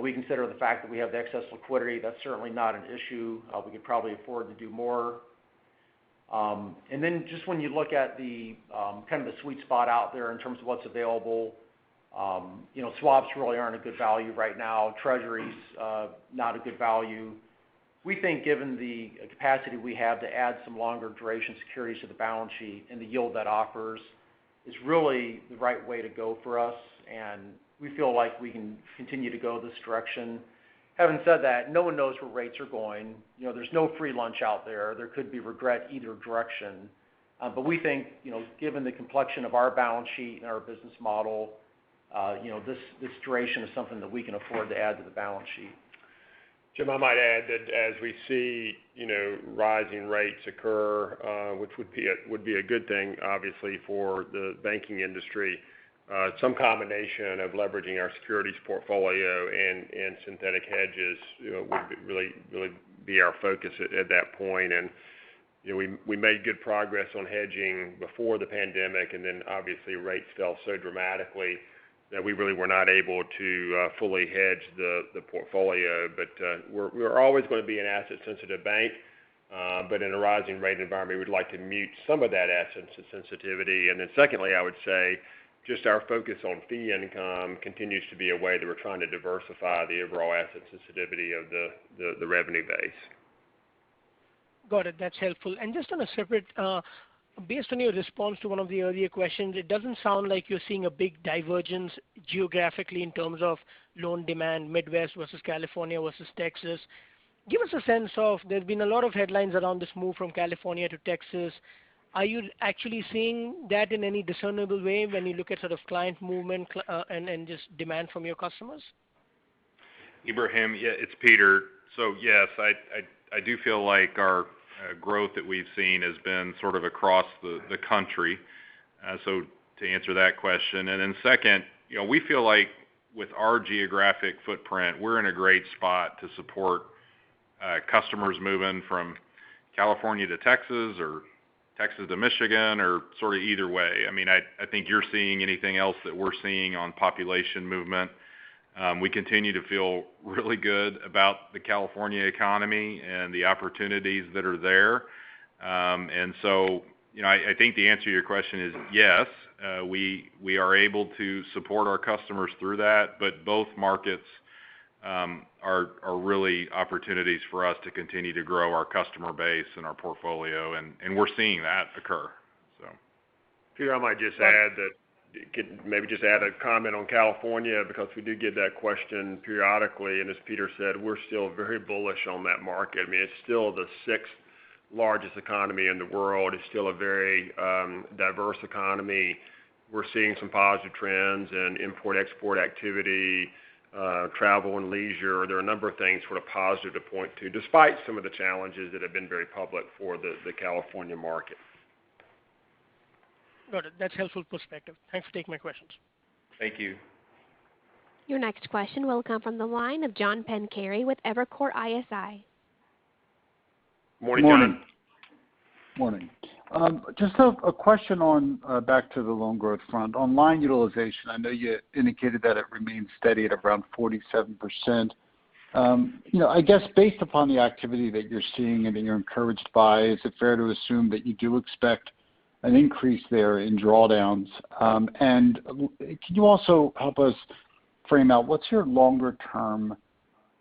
We consider the fact that we have the excess liquidity. That's certainly not an issue. We could probably afford to do more. Just when you look at the sweet spot out there in terms of what's available, swaps really aren't a good value right now. Treasuries, not a good value. We think given the capacity we have to add some longer duration securities to the balance sheet and the yield that offers is really the right way to go for us, and we feel like we can continue to go this direction. Having said that, no one knows where rates are going. There's no free lunch out there. There could be regret either direction. We think, given the complexion of our balance sheet and our business model, this duration is something that we can afford to add to the balance sheet. Jim, I might add that as we see rising rates occur, which would be a good thing, obviously, for the banking industry, some combination of leveraging our securities portfolio and synthetic hedges would really be our focus at that point. We made good progress on hedging before the pandemic, and then obviously rates fell so dramatically that we really were not able to fully hedge the portfolio. We're always going to be an asset-sensitive bank. In a rising rate environment, we'd like to mute some of that asset sensitivity. Secondly, I would say, just our focus on fee income continues to be a way that we're trying to diversify the overall asset sensitivity of the revenue base. Got it. That's helpful. Just on a separate, based on your response to one of the earlier questions, it doesn't sound like you're seeing a big divergence geographically in terms of loan demand, Midwest versus California versus Texas. Give us a sense of, there's been a lot of headlines around this move from California to Texas. Are you actually seeing that in any discernible way when you look at sort of client movement and just demand from your customers? Ebrahim, yeah, it's Peter. Yes, I do feel like our growth that we've seen has been sort of across the country. To answer that question. Then second, we feel like with our geographic footprint, we're in a great spot to support customers moving from California to Texas or Texas to Michigan, or sort of either way. I think you're seeing anything else that we're seeing on population movement. We continue to feel really good about the California economy and the opportunities that are there. I think the answer to your question is yes, we are able to support our customers through that, but both markets are really opportunities for us to continue to grow our customer base and our portfolio, and we're seeing that occur, so. Peter, I might just add a comment on California, because we do get that question periodically, and as Peter said, we're still very bullish on that market. It's still the sixth largest economy in the world. It's still a very diverse economy. We're seeing some positive trends in import-export activity, travel and leisure. There are a number of things that are positive to point to, despite some of the challenges that have been very public for the California market. Got it. That's helpful perspective. Thanks for taking my questions. Thank you. Your next question will come from the line of John Pancari with Evercore ISI. Morning, John. Morning. Just a question on back to the loan growth front. On line utilization, I know you indicated that it remains steady at around 47%. I guess based upon the activity that you're seeing and that you're encouraged by, is it fair to assume that you do expect an increase there in drawdowns? Can you also help us frame out what's your longer-term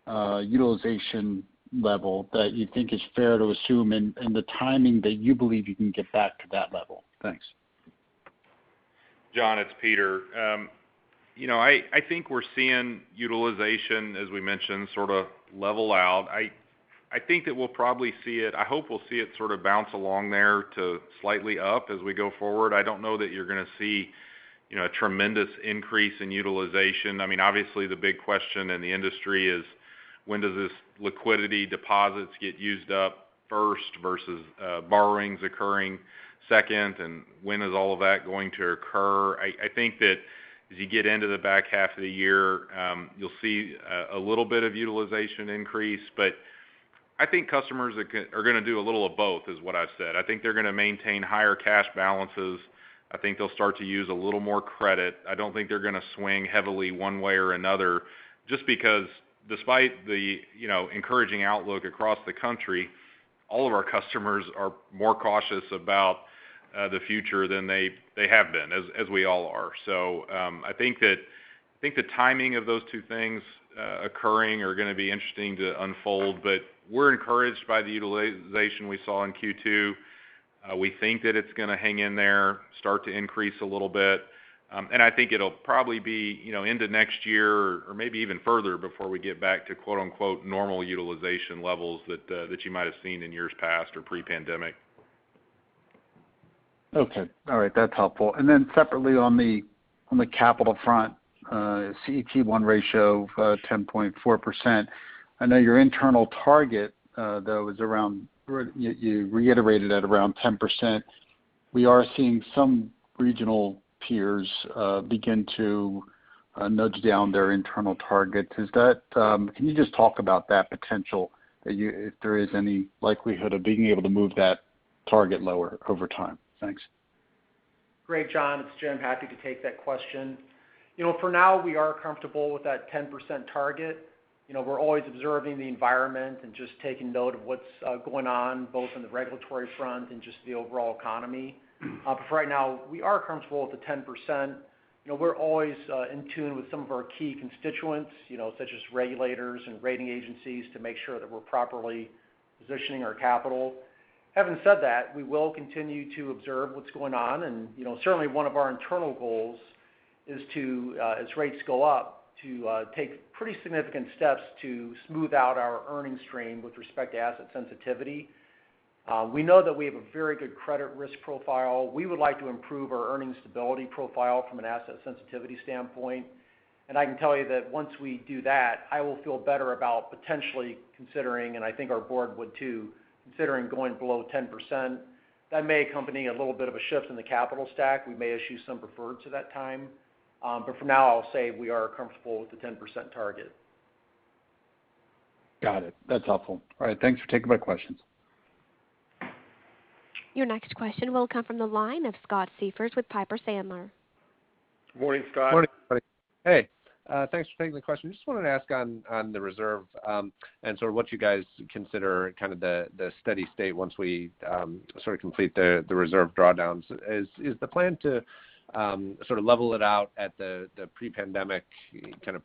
utilization level that you think is fair to assume, and the timing that you believe you can get back to that level? Thanks. John, it's Peter. I think we're seeing utilization, as we mentioned, sort of level out. I think that we'll probably see it. I hope we'll see it sort of bounce along there to slightly up as we go forward. I don't know that you're going to see a tremendous increase in utilization. Obviously, the big question in the industry is when does this liquidity deposits get used up first versus borrowings occurring second, and when is all of that going to occur? I think that as you get into the back half of the year, you'll see a little bit of utilization increase. I think customers are going to do a little of both, is what I've said. I think they're going to maintain higher cash balances. I think they'll start to use a little more credit. I don't think they're going to swing heavily one way or another just because despite the encouraging outlook across the country, all of our customers are more cautious about the future than they have been, as we all are. I think the timing of those two things occurring are going to be interesting to unfold. We're encouraged by the utilization we saw in Q2. We think that it's going to hang in there, start to increase a little bit. I think it'll probably be into next year or maybe even further before we get back to quote unquote "normal utilization levels" that you might have seen in years past or pre-pandemic. Okay. All right. That's helpful. Separately on the capital front, CET1 ratio of 10.4%. I know your internal target, though, is you reiterated at around 10%. We are seeing some regional peers begin to nudge down their internal targets. Can you just talk about that potential, if there is any likelihood of being able to move that target lower over time? Thanks. Great, John. It's Jim, happy to take that question. For now, we are comfortable with that 10% target. We're always observing the environment and just taking note of what's going on, both on the regulatory front and just the overall economy. For right now, we are comfortable with the 10%. We're always in tune with some of our key constituents such as regulators and rating agencies to make sure that we're properly positioning our capital. Having said that, we will continue to observe what's going on and certainly one of our internal goals is to, as rates go up, to take pretty significant steps to smooth out our earnings stream with respect to asset sensitivity. We know that we have a very good credit risk profile. We would like to improve our earnings stability profile from an asset sensitivity standpoint. I can tell you that once we do that, I will feel better about potentially considering, and I think our board would too, considering going below 10%. That may accompany a little bit of a shift in the capital stack. We may issue some preferred to that time. For now, I'll say we are comfortable with the 10% target. Got it. That's helpful. All right. Thanks for taking my questions. Your next question will come from the line of Scott Siefers with Piper Sandler. Morning, Scott. Morning. Hey, thanks for taking the question. Just wanted to ask on the reserve, sort of what you guys consider kind of the steady state once we sort of complete the reserve drawdowns. Is the plan to sort of level it out at the pre-pandemic kind of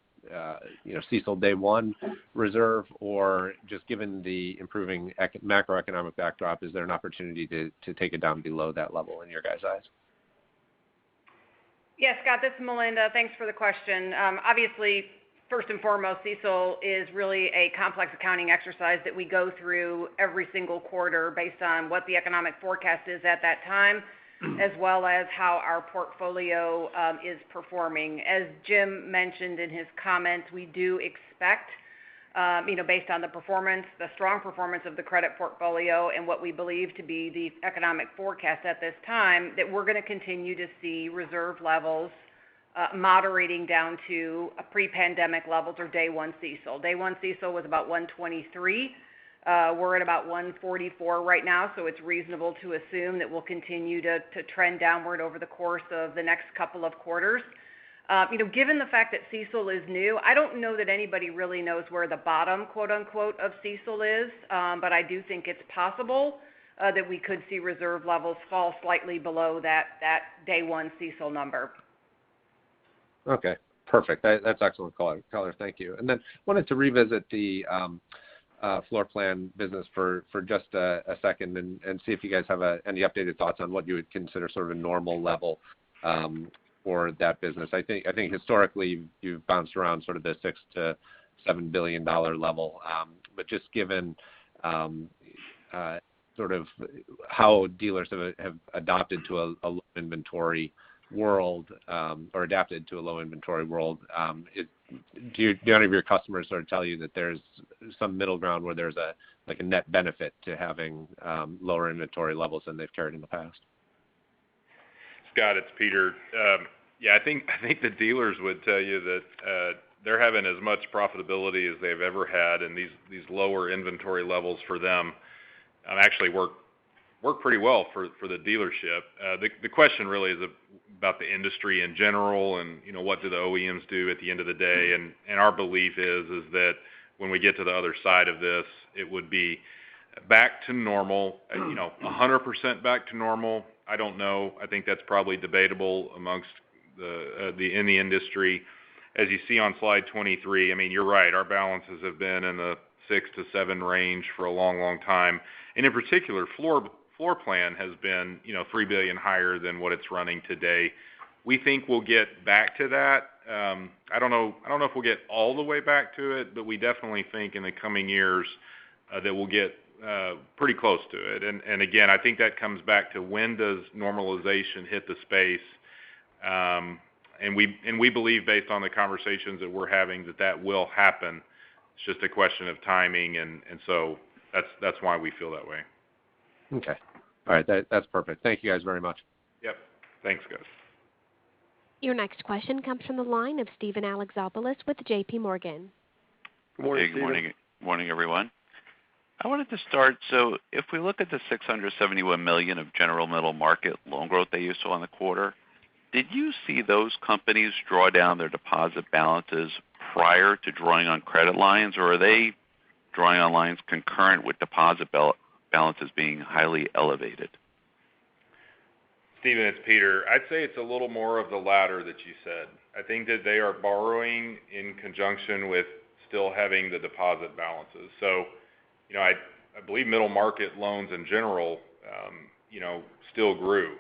CECL day one reserve? Just given the improving macroeconomic backdrop, is there an opportunity to take it down below that level in your guys' eyes? Yes, Scott, this is Melinda. Thanks for the question. Obviously, first and foremost, CECL is really a complex accounting exercise that we go through every single quarter based on what the economic forecast is at that time, as well as how our portfolio is performing. As Jim mentioned in his comments, we do expect, based on the performance, the strong performance of the credit portfolio and what we believe to be the economic forecast at this time, that we're going to continue to see reserve levels moderating down to pre-pandemic levels or day one CECL. Day one CECL was about $123 million. We're at about $144 million right now. It's reasonable to assume that we'll continue to trend downward over the course of the next couple of quarters. Given the fact that CECL is new, I don't know that anybody really knows where the bottom, quote unquote, of CECL is. I do think it's possible that we could see reserve levels fall slightly below that day one CECL number. Okay, perfect. That's excellent color. Thank you. Wanted to revisit the floorplan business for just a second and see if you guys have any updated thoughts on what you would consider sort of a normal level for that business. I think historically, you've bounced around sort of the $6 billion-$7 billion level. Just given sort of how dealers have adopted to a low inventory world or adapted to a low inventory world, do any of your customers sort of tell you that there's some middle ground where there's a net benefit to having lower inventory levels than they've carried in the past? Scott, it's Peter. Yeah, I think the dealers would tell you that they're having as much profitability as they've ever had, and these lower inventory levels for them actually work pretty well for the dealership. The question really is about the industry in general and what do the OEMs do at the end of the day. Our belief is that when we get to the other side of this, it would be back to normal. 100% back to normal? I don't know. I think that's probably debatable amongst in the industry. As you see on slide 23, I mean, you're right, our balances have been in the $6 billion-$7 billion range for a long time. In particular, floor plan has been $3 billion higher than what it's running today. We think we'll get back to that. I don't know if we'll get all the way back to it, but we definitely think in the coming years that we'll get pretty close to it. Again, I think that comes back to when does normalization hit the space? We believe based on the conversations that we're having that that will happen. It's just a question of timing and so that's why we feel that way. Okay. All right. That's perfect. Thank you guys very much. Yep. Thanks, Scott. Your next question comes from the line of Steven Alexopoulos with JPMorgan. Morning, Steven. Good morning. Morning, everyone. I wanted to start, so if we look at the $671 million of General Middle Market loan growth that you saw in the quarter, did you see those companies draw down their deposit balances prior to drawing on credit lines? Or are they drawing on lines concurrent with deposit balances being highly elevated? Steven, it's Peter. I'd say it's a little more of the latter that you said. I think that they are borrowing in conjunction with still having the deposit balances. I believe middle market loans in general still grew.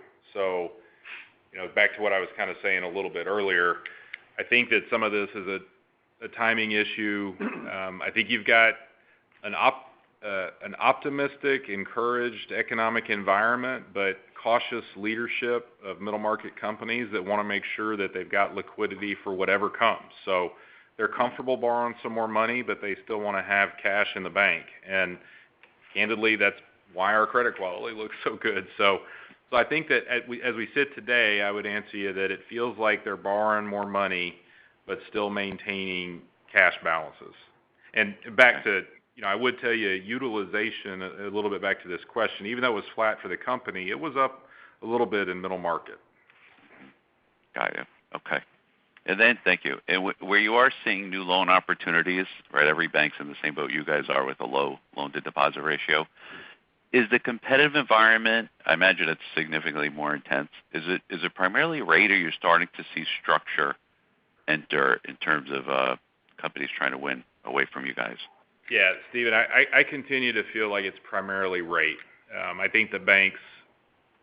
Back to what I was kind of saying a little bit earlier, I think that some of this is a timing issue. I think you've got an optimistic, encouraged economic environment, but cautious leadership of middle market companies that want to make sure that they've got liquidity for whatever comes. They're comfortable borrowing some more money, but they still want to have cash in the bank. Candidly, that's why our credit quality looks so good. I think that as we sit today, I would answer you that it feels like they're borrowing more money, but still maintaining cash balances. Back to, I would tell you utilization, a little bit back to this question, even though it was flat for the company, it was up a little bit in middle market. Got you. Okay. Thank you. Where you are seeing new loan opportunities, right, every bank's in the same boat you guys are with a low loan-to-deposit ratio. Is the competitive environment? I imagine it's significantly more intense. Is it primarily rate, or you're starting to see structure enter in terms of companies trying to win away from you guys? Yeah, Steven, I continue to feel like it's primarily rate. I think the banks,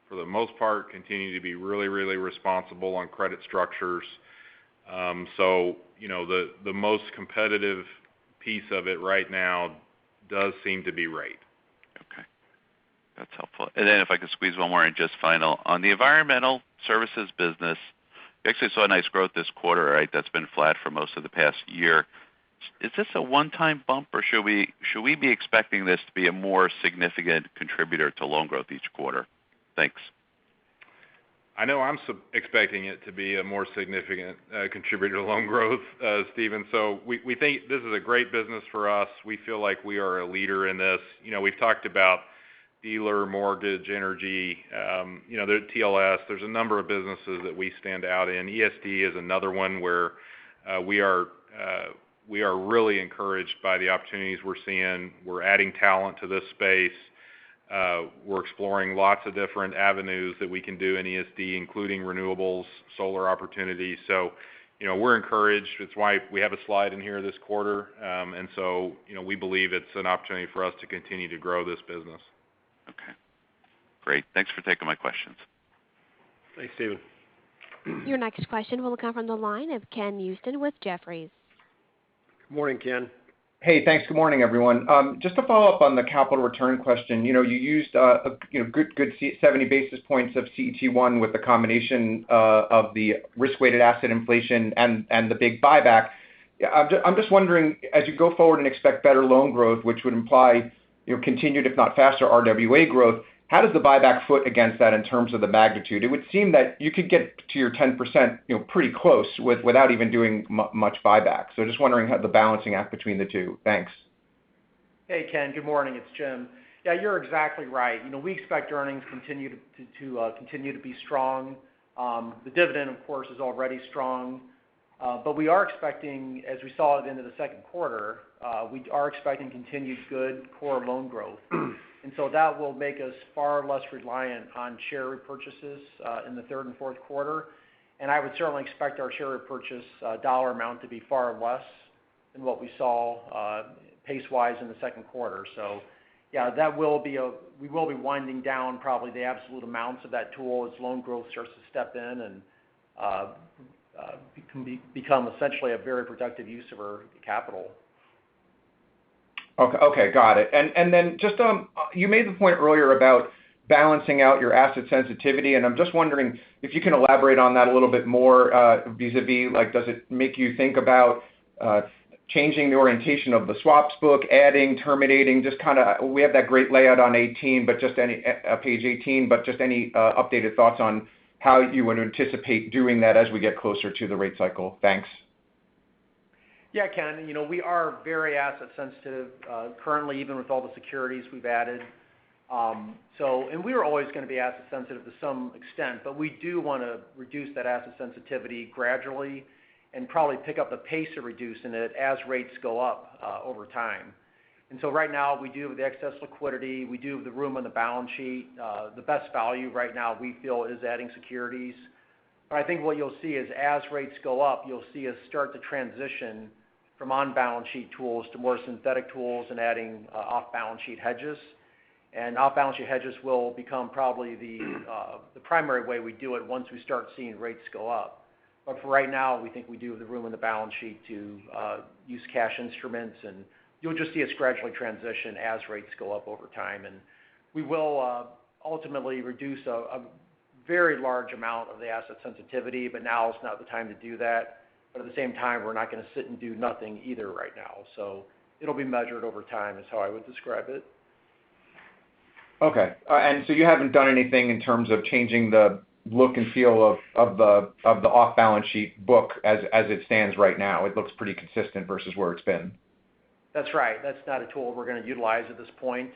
for the most part, continue to be really responsible on credit structures. The most competitive piece of it right now does seem to be rate. Okay. That's helpful. If I could squeeze one more in, just final. On the Environmental Services business, you actually saw a nice growth this quarter, right? That's been flat for most of the past year. Is this a one-time bump, or should we be expecting this to be a more significant contributor to loan growth each quarter? Thanks. I know I'm expecting it to be a more significant contributor to loan growth, Steven. We think this is a great business for us. We feel like we are a leader in this. We've talked about dealer mortgage, energy, TLS. There's a number of businesses that we stand out in. ESD is another one where we are really encouraged by the opportunities we're seeing. We're adding talent to this space. We're exploring lots of different avenues that we can do in ESD, including renewables, solar opportunities. We're encouraged. It's why we have a slide in here this quarter. We believe it's an opportunity for us to continue to grow this business. Okay. Great. Thanks for taking my questions. Thanks, Steven. Your next question will come from the line of Ken Usdin with Jefferies. Morning, Ken. Hey, thanks. Good morning, everyone. Just to follow up on the capital return question. You used a good 70 basis points of CET1 with the combination of the risk-weighted asset inflation and the big buyback. I'm just wondering, as you go forward and expect better loan growth, which would imply continued if not faster RWA growth, how does the buyback foot against that in terms of the magnitude? It would seem that you could get to your 10% pretty close without even doing much buyback. Just wondering the balancing act between the two. Thanks. Hey, Ken. Good morning. It's Jim. Yeah, you're exactly right. We expect earnings to continue to be strong. The dividend, of course, is already strong. We are expecting, as we saw at the end of the second quarter, we are expecting continued good core loan growth. That will make us far less reliant on share repurchases in the third and fourth quarter. I would certainly expect our share repurchase dollar amount to be far less than what we saw pace-wise in the second quarter. Yeah, we will be winding down probably the absolute amounts of that tool as loan growth starts to step in and become essentially a very productive use of our capital. Okay, got it. You made the point earlier about balancing out your asset sensitivity, and I'm just wondering if you can elaborate on that a little bit more vis-a-vis like does it make you think about changing the orientation of the swaps book, adding, terminating? We have that great layout on 18, page 18, just any updated thoughts on how you would anticipate doing that as we get closer to the rate cycle. Thanks. Yeah, Ken. We are very asset sensitive currently, even with all the securities we've added. We are always going to be asset sensitive to some extent, but we do want to reduce that asset sensitivity gradually and probably pick up the pace of reducing it as rates go up over time. Right now we do have the excess liquidity. We do have the room on the balance sheet. The best value right now we feel is adding securities. I think what you'll see is as rates go up, you'll see us start to transition from on-balance sheet tools to more synthetic tools and adding off-balance sheet hedges. Off-balance sheet hedges will become probably the primary way we do it once we start seeing rates go up. For right now, we think we do have the room on the balance sheet to use cash instruments, and you'll just see us gradually transition as rates go up over time. We will ultimately reduce a very large amount of the asset sensitivity, but now is not the time to do that. At the same time, we're not going to sit and do nothing either right now. It'll be measured over time is how I would describe it. Okay. You haven't done anything in terms of changing the look and feel of the off-balance sheet book as it stands right now? It looks pretty consistent versus where it's been. That's right. That's not a tool we're going to utilize at this point.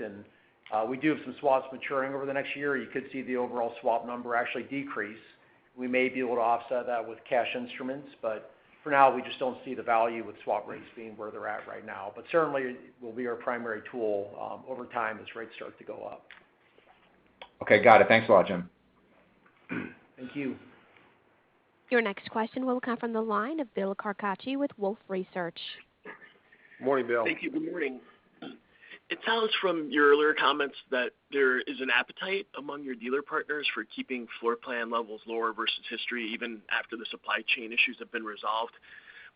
We do have some swaps maturing over the next year. You could see the overall swap number actually decrease. We may be able to offset that with cash instruments, but for now, we just don't see the value with swap rates being where they're at right now. Certainly, it will be our primary tool over time as rates start to go up. Okay, got it. Thanks a lot, Jim. Thank you. Your next question will come from the line of Bill Carcache with Wolfe Research. Morning, Bill. Thank you. Good morning. It sounds from your earlier comments that there is an appetite among your dealer partners for keeping floor plan levels lower versus history, even after the supply chain issues have been resolved.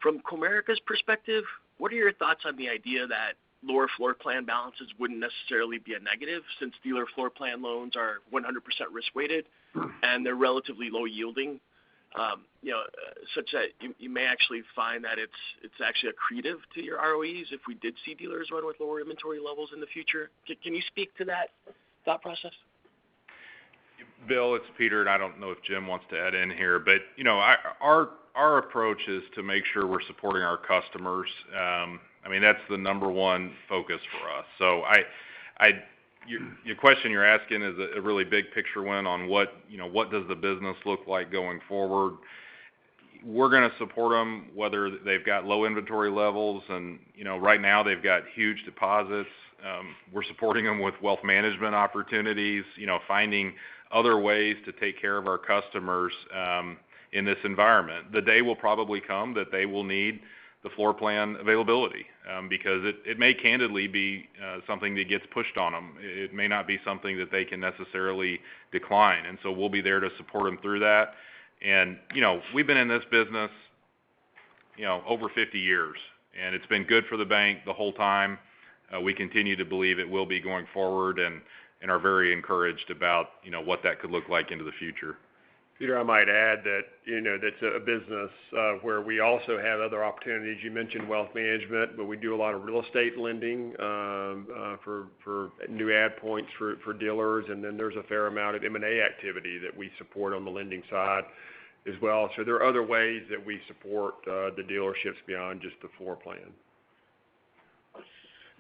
From Comerica's perspective, what are your thoughts on the idea that lower floor plan balances wouldn't necessarily be a negative since dealer floor plan loans are 100% risk-weighted and they're relatively low yielding? Such that you may actually find that it's actually accretive to your ROEs if we did see dealers run with lower inventory levels in the future. Can you speak to that thought process? Bill, it's Peter, and I don't know if Jim wants to add in here, but our approach is to make sure we're supporting our customers. That's the number one focus for us. Your question you're asking is a really big picture one on what does the business look like going forward. We're going to support them whether they've got low inventory levels and right now they've got huge deposits. We're supporting them with wealth management opportunities, finding other ways to take care of our customers in this environment. The day will probably come that they will need the floor plan availability because it may candidly be something that gets pushed on them. It may not be something that they can necessarily decline. We'll be there to support them through that. We've been in this business over 50 years, and it's been good for the bank the whole time. We continue to believe it will be going forward and are very encouraged about what that could look like into the future. Peter, I might add that that's a business where we also have other opportunities. You mentioned wealth management. We do a lot of real estate lending for new add points for dealers. There's a fair amount of M&A activity that we support on the lending side as well. There are other ways that we support the dealerships beyond just the floor plan.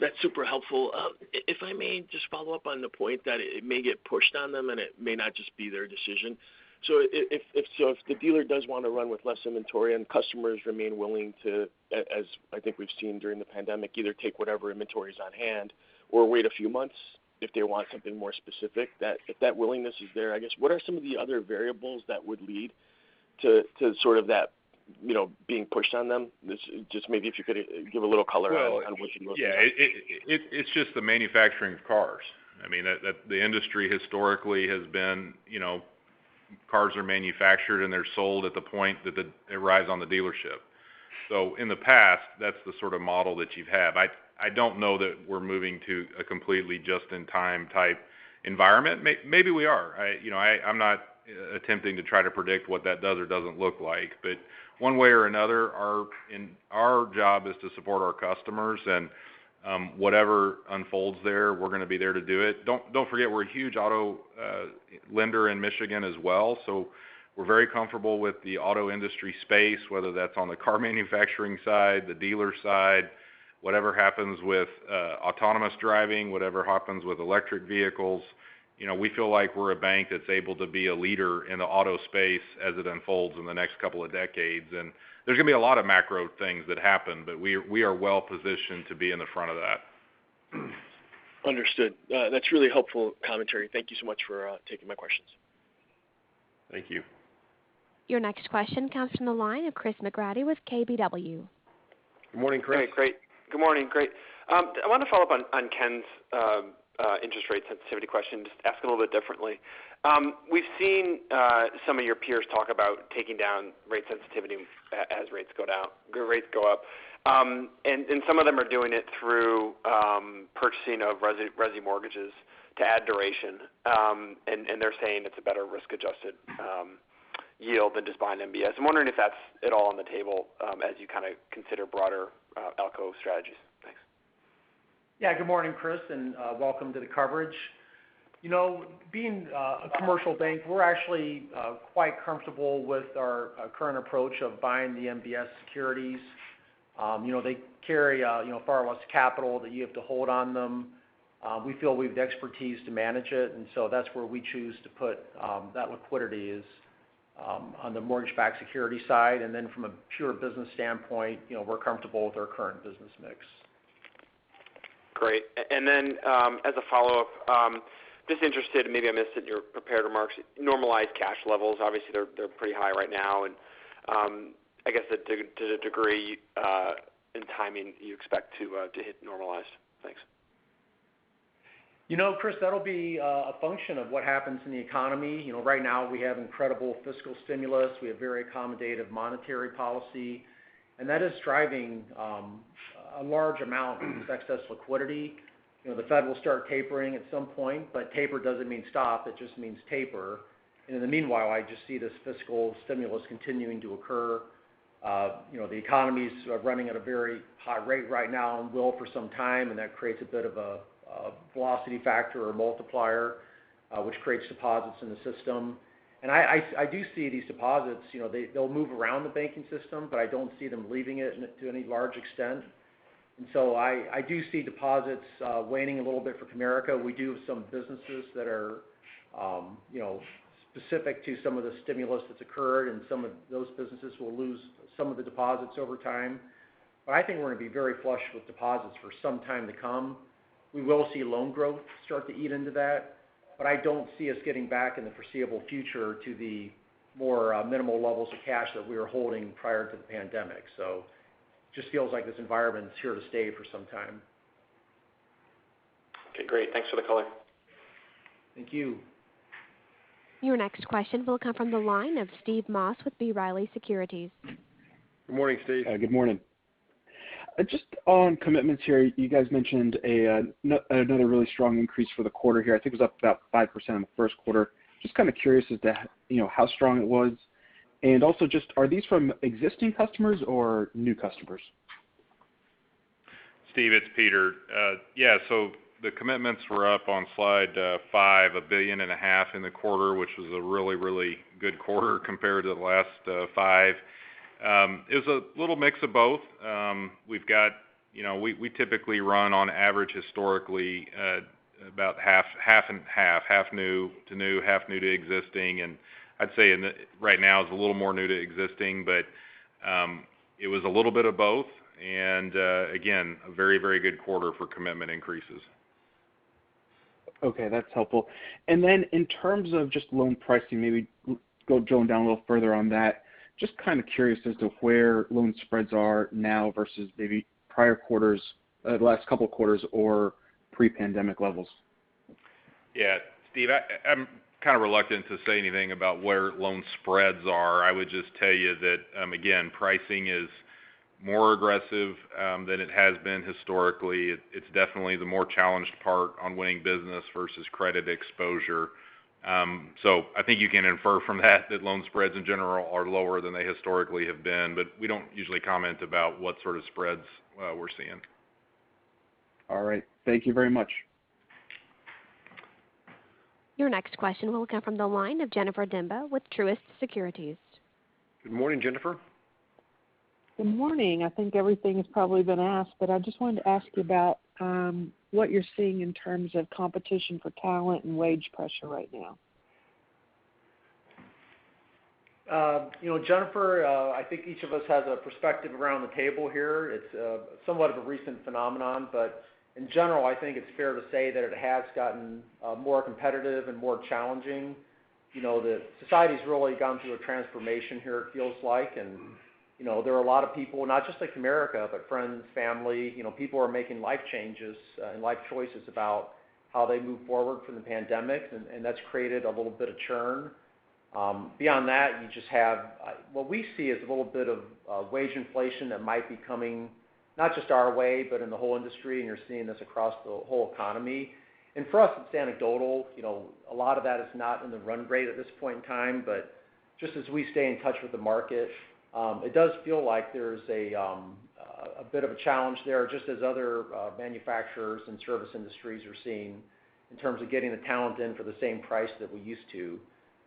That's super helpful. If I may just follow up on the point that it may get pushed on them and it may not just be their decision. If the dealer does want to run with less inventory and customers remain willing to, as I think we've seen during the pandemic, either take whatever inventory is on hand or wait a few months if they want something more specific, if that willingness is there, I guess, what are some of the other variables that would lead to that being pushed on them? Just maybe if you could give a little color on what you're looking at. Yeah. It's just the manufacturing of cars. The industry historically has been cars are manufactured, and they're sold at the point that it arrives on the dealership. In the past, that's the sort of model that you've had. I don't know that we're moving to a completely just-in-time type environment. Maybe we are. I'm not attempting to try to predict what that does or doesn't look like. One way or another, our job is to support our customers and whatever unfolds there, we're going to be there to do it. Don't forget, we're a huge auto lender in Michigan as well, so we're very comfortable with the auto industry space, whether that's on the car manufacturing side, the dealer side, whatever happens with autonomous driving, whatever happens with electric vehicles. We feel like we're a bank that's able to be a leader in the auto space as it unfolds in the next couple of decades. There's going to be a lot of macro things that happen, but we are well-positioned to be in the front of that. Understood. That's really helpful commentary. Thank you so much for taking my questions. Thank you. Your next question comes from the line of Chris McGratty with KBW. Good morning, Chris. Hey, great. Good morning, great. I wanted to follow up on Ken's interest rate sensitivity question, just ask it a little bit differently. We've seen some of your peers talk about taking down rate sensitivity as rates go up. Some of them are doing it through purchasing of resi mortgages to add duration, and they're saying it's a better risk-adjusted yield than just buying MBS. I'm wondering if that's at all on the table as you kind of consider broader ALCO strategies. Thanks. Good morning, Chris, and welcome to the coverage. Being a commercial bank, we're actually quite comfortable with our current approach of buying the MBS securities. They carry far less capital that you have to hold on them. We feel we have the expertise to manage it, and so that's where we choose to put that liquidity is on the mortgage-backed security side. From a pure business standpoint, we're comfortable with our current business mix. Great. As a follow-up, just interested, maybe I missed it in your prepared remarks, normalized cash levels. Obviously, they're pretty high right now. I guess to the degree and timing you expect to hit normalize. Thanks. Chris, that'll be a function of what happens in the economy. Right now we have incredible fiscal stimulus. We have very accommodative monetary policy. That is driving a large amount of excess liquidity. The Fed will start tapering at some point. Taper doesn't mean stop. It just means taper. In the meanwhile, I just see this fiscal stimulus continuing to occur. The economy's running at a very high rate right now and will for some time. That creates a bit of a velocity factor or multiplier which creates deposits in the system. I do see these deposits, they'll move around the banking system. I don't see them leaving it to any large extent. I do see deposits waning a little bit for Comerica. We do have some businesses that are specific to some of the stimulus that's occurred, and some of those businesses will lose some of the deposits over time. I think we're going to be very flush with deposits for some time to come. We will see loan growth start to eat into that, but I don't see us getting back in the foreseeable future to the more minimal levels of cash that we were holding prior to the pandemic. Just feels like this environment is here to stay for some time. Okay, great. Thanks for the color. Thank you. Your next question will come from the line of Steve Moss with B. Riley Securities. Good morning, Steve. Good morning. Just on commitments here, you guys mentioned another really strong increase for the quarter here. I think it was up about 5% in the first quarter. Just kind of curious as to how strong it was. Also just are these from existing customers or new customers? Steve, it's Peter. Yeah, the commitments were up on slide five, $1.5 billion In the quarter, which was a really, really good quarter compared to the last five. It was a little mix of both. We typically run on average, historically, about half and half new to new, half new to existing. I'd say right now it's a little more new to existing, but it was a little bit of both. Again, a very, very good quarter for commitment increases. Okay, that's helpful. In terms of just loan pricing, maybe go down a little further on that. Just kind of curious as to where loan spreads are now versus maybe prior quarters, the last couple quarters or pre-pandemic levels. Yeah. Steve, I'm kind of reluctant to say anything about where loan spreads are. I would just tell you that, again, pricing is more aggressive than it has been historically. It's definitely the more challenged part on winning business versus credit exposure. I think you can infer from that loan spreads in general are lower than they historically have been, but we don't usually comment about what sort of spreads we're seeing. All right. Thank you very much. Your next question will come from the line of Jennifer Demba with Truist Securities. Good morning, Jennifer. Good morning. I think everything has probably been asked, but I just wanted to ask about what you're seeing in terms of competition for talent and wage pressure right now. Jennifer, I think each of us has a perspective around the table here. It's somewhat of a recent phenomenon, but in general, I think it's fair to say that it has gotten more competitive and more challenging. The society's really gone through a transformation here, it feels like, and there are a lot of people, not just at Comerica, but friends, family, people are making life changes and life choices about how they move forward from the pandemic, and that's created a little bit of churn. Beyond that, what we see is a little bit of wage inflation that might be coming, not just our way, but in the whole industry, and you're seeing this across the whole economy. For us, it's anecdotal. A lot of that is not in the run rate at this point in time, but just as we stay in touch with the market, it does feel like there's a bit of a challenge there, just as other manufacturers and service industries are seeing in terms of getting the talent in for the same price that we used to.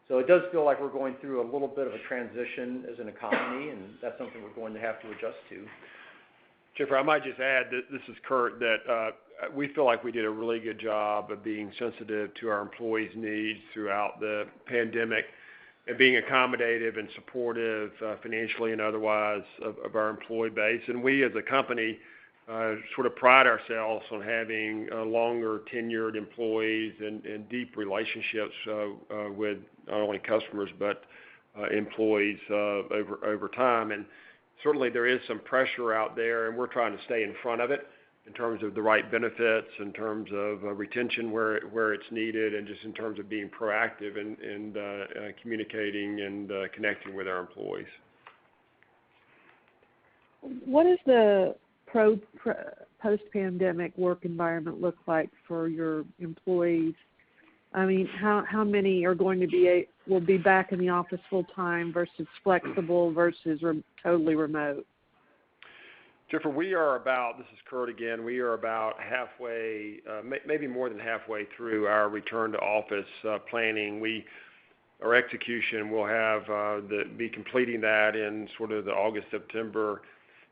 It does feel like we're going through a little bit of a transition as an economy, and that's something we're going to have to adjust to. Jennifer, I might just add, this is Curt, that we feel like we did a really good job of being sensitive to our employees' needs throughout the pandemic and being accommodative and supportive, financially and otherwise, of our employee base. We as a company sort of pride ourselves on having longer-tenured employees and deep relationships with not only customers, but employees over time. Certainly, there is some pressure out there, and we're trying to stay in front of it in terms of the right benefits, in terms of retention where it's needed, and just in terms of being proactive and communicating and connecting with our employees. What does the post-pandemic work environment look like for your employees? How many will be back in the office full time versus flexible versus totally remote? Jennifer, this is Curt again. We are about maybe more than halfway through our return to office planning. Our execution, we'll be completing that in sort of the August, September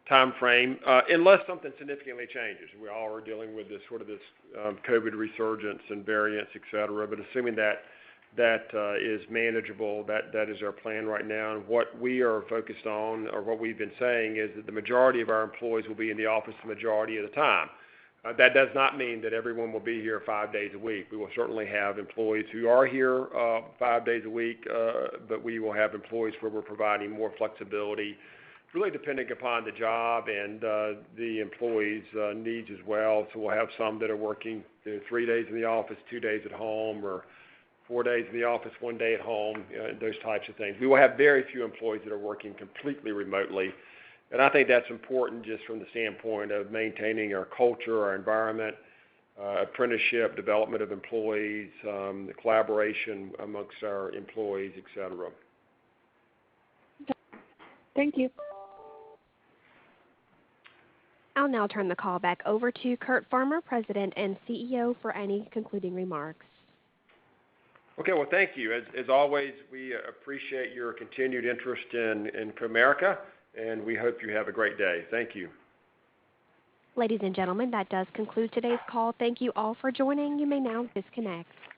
timeframe, unless something significantly changes. We all are dealing with sort of this COVID resurgence and variants, et cetera. Assuming that is manageable, that is our plan right now. What we are focused on or what we've been saying is that the majority of our employees will be in the office the majority of the time. That does not mean that everyone will be here five days a week. We will certainly have employees who are here five days a week, but we will have employees where we're providing more flexibility. It's really dependent upon the job and the employee's needs as well. We'll have some that are working three days in the office, two days at home, or four days in the office, one day at home, those types of things. We will have very few employees that are working completely remotely, and I think that's important just from the standpoint of maintaining our culture, our environment, apprenticeship, development of employees, the collaboration amongst our employees, et cetera. Okay. Thank you. I'll now turn the call back over to Curt Farmer, President and CEO, for any concluding remarks. Okay, well, thank you. As always, we appreciate your continued interest in Comerica, and we hope you have a great day. Thank you. Ladies and gentlemen, that does conclude today's call. Thank you all for joining. You may now disconnect.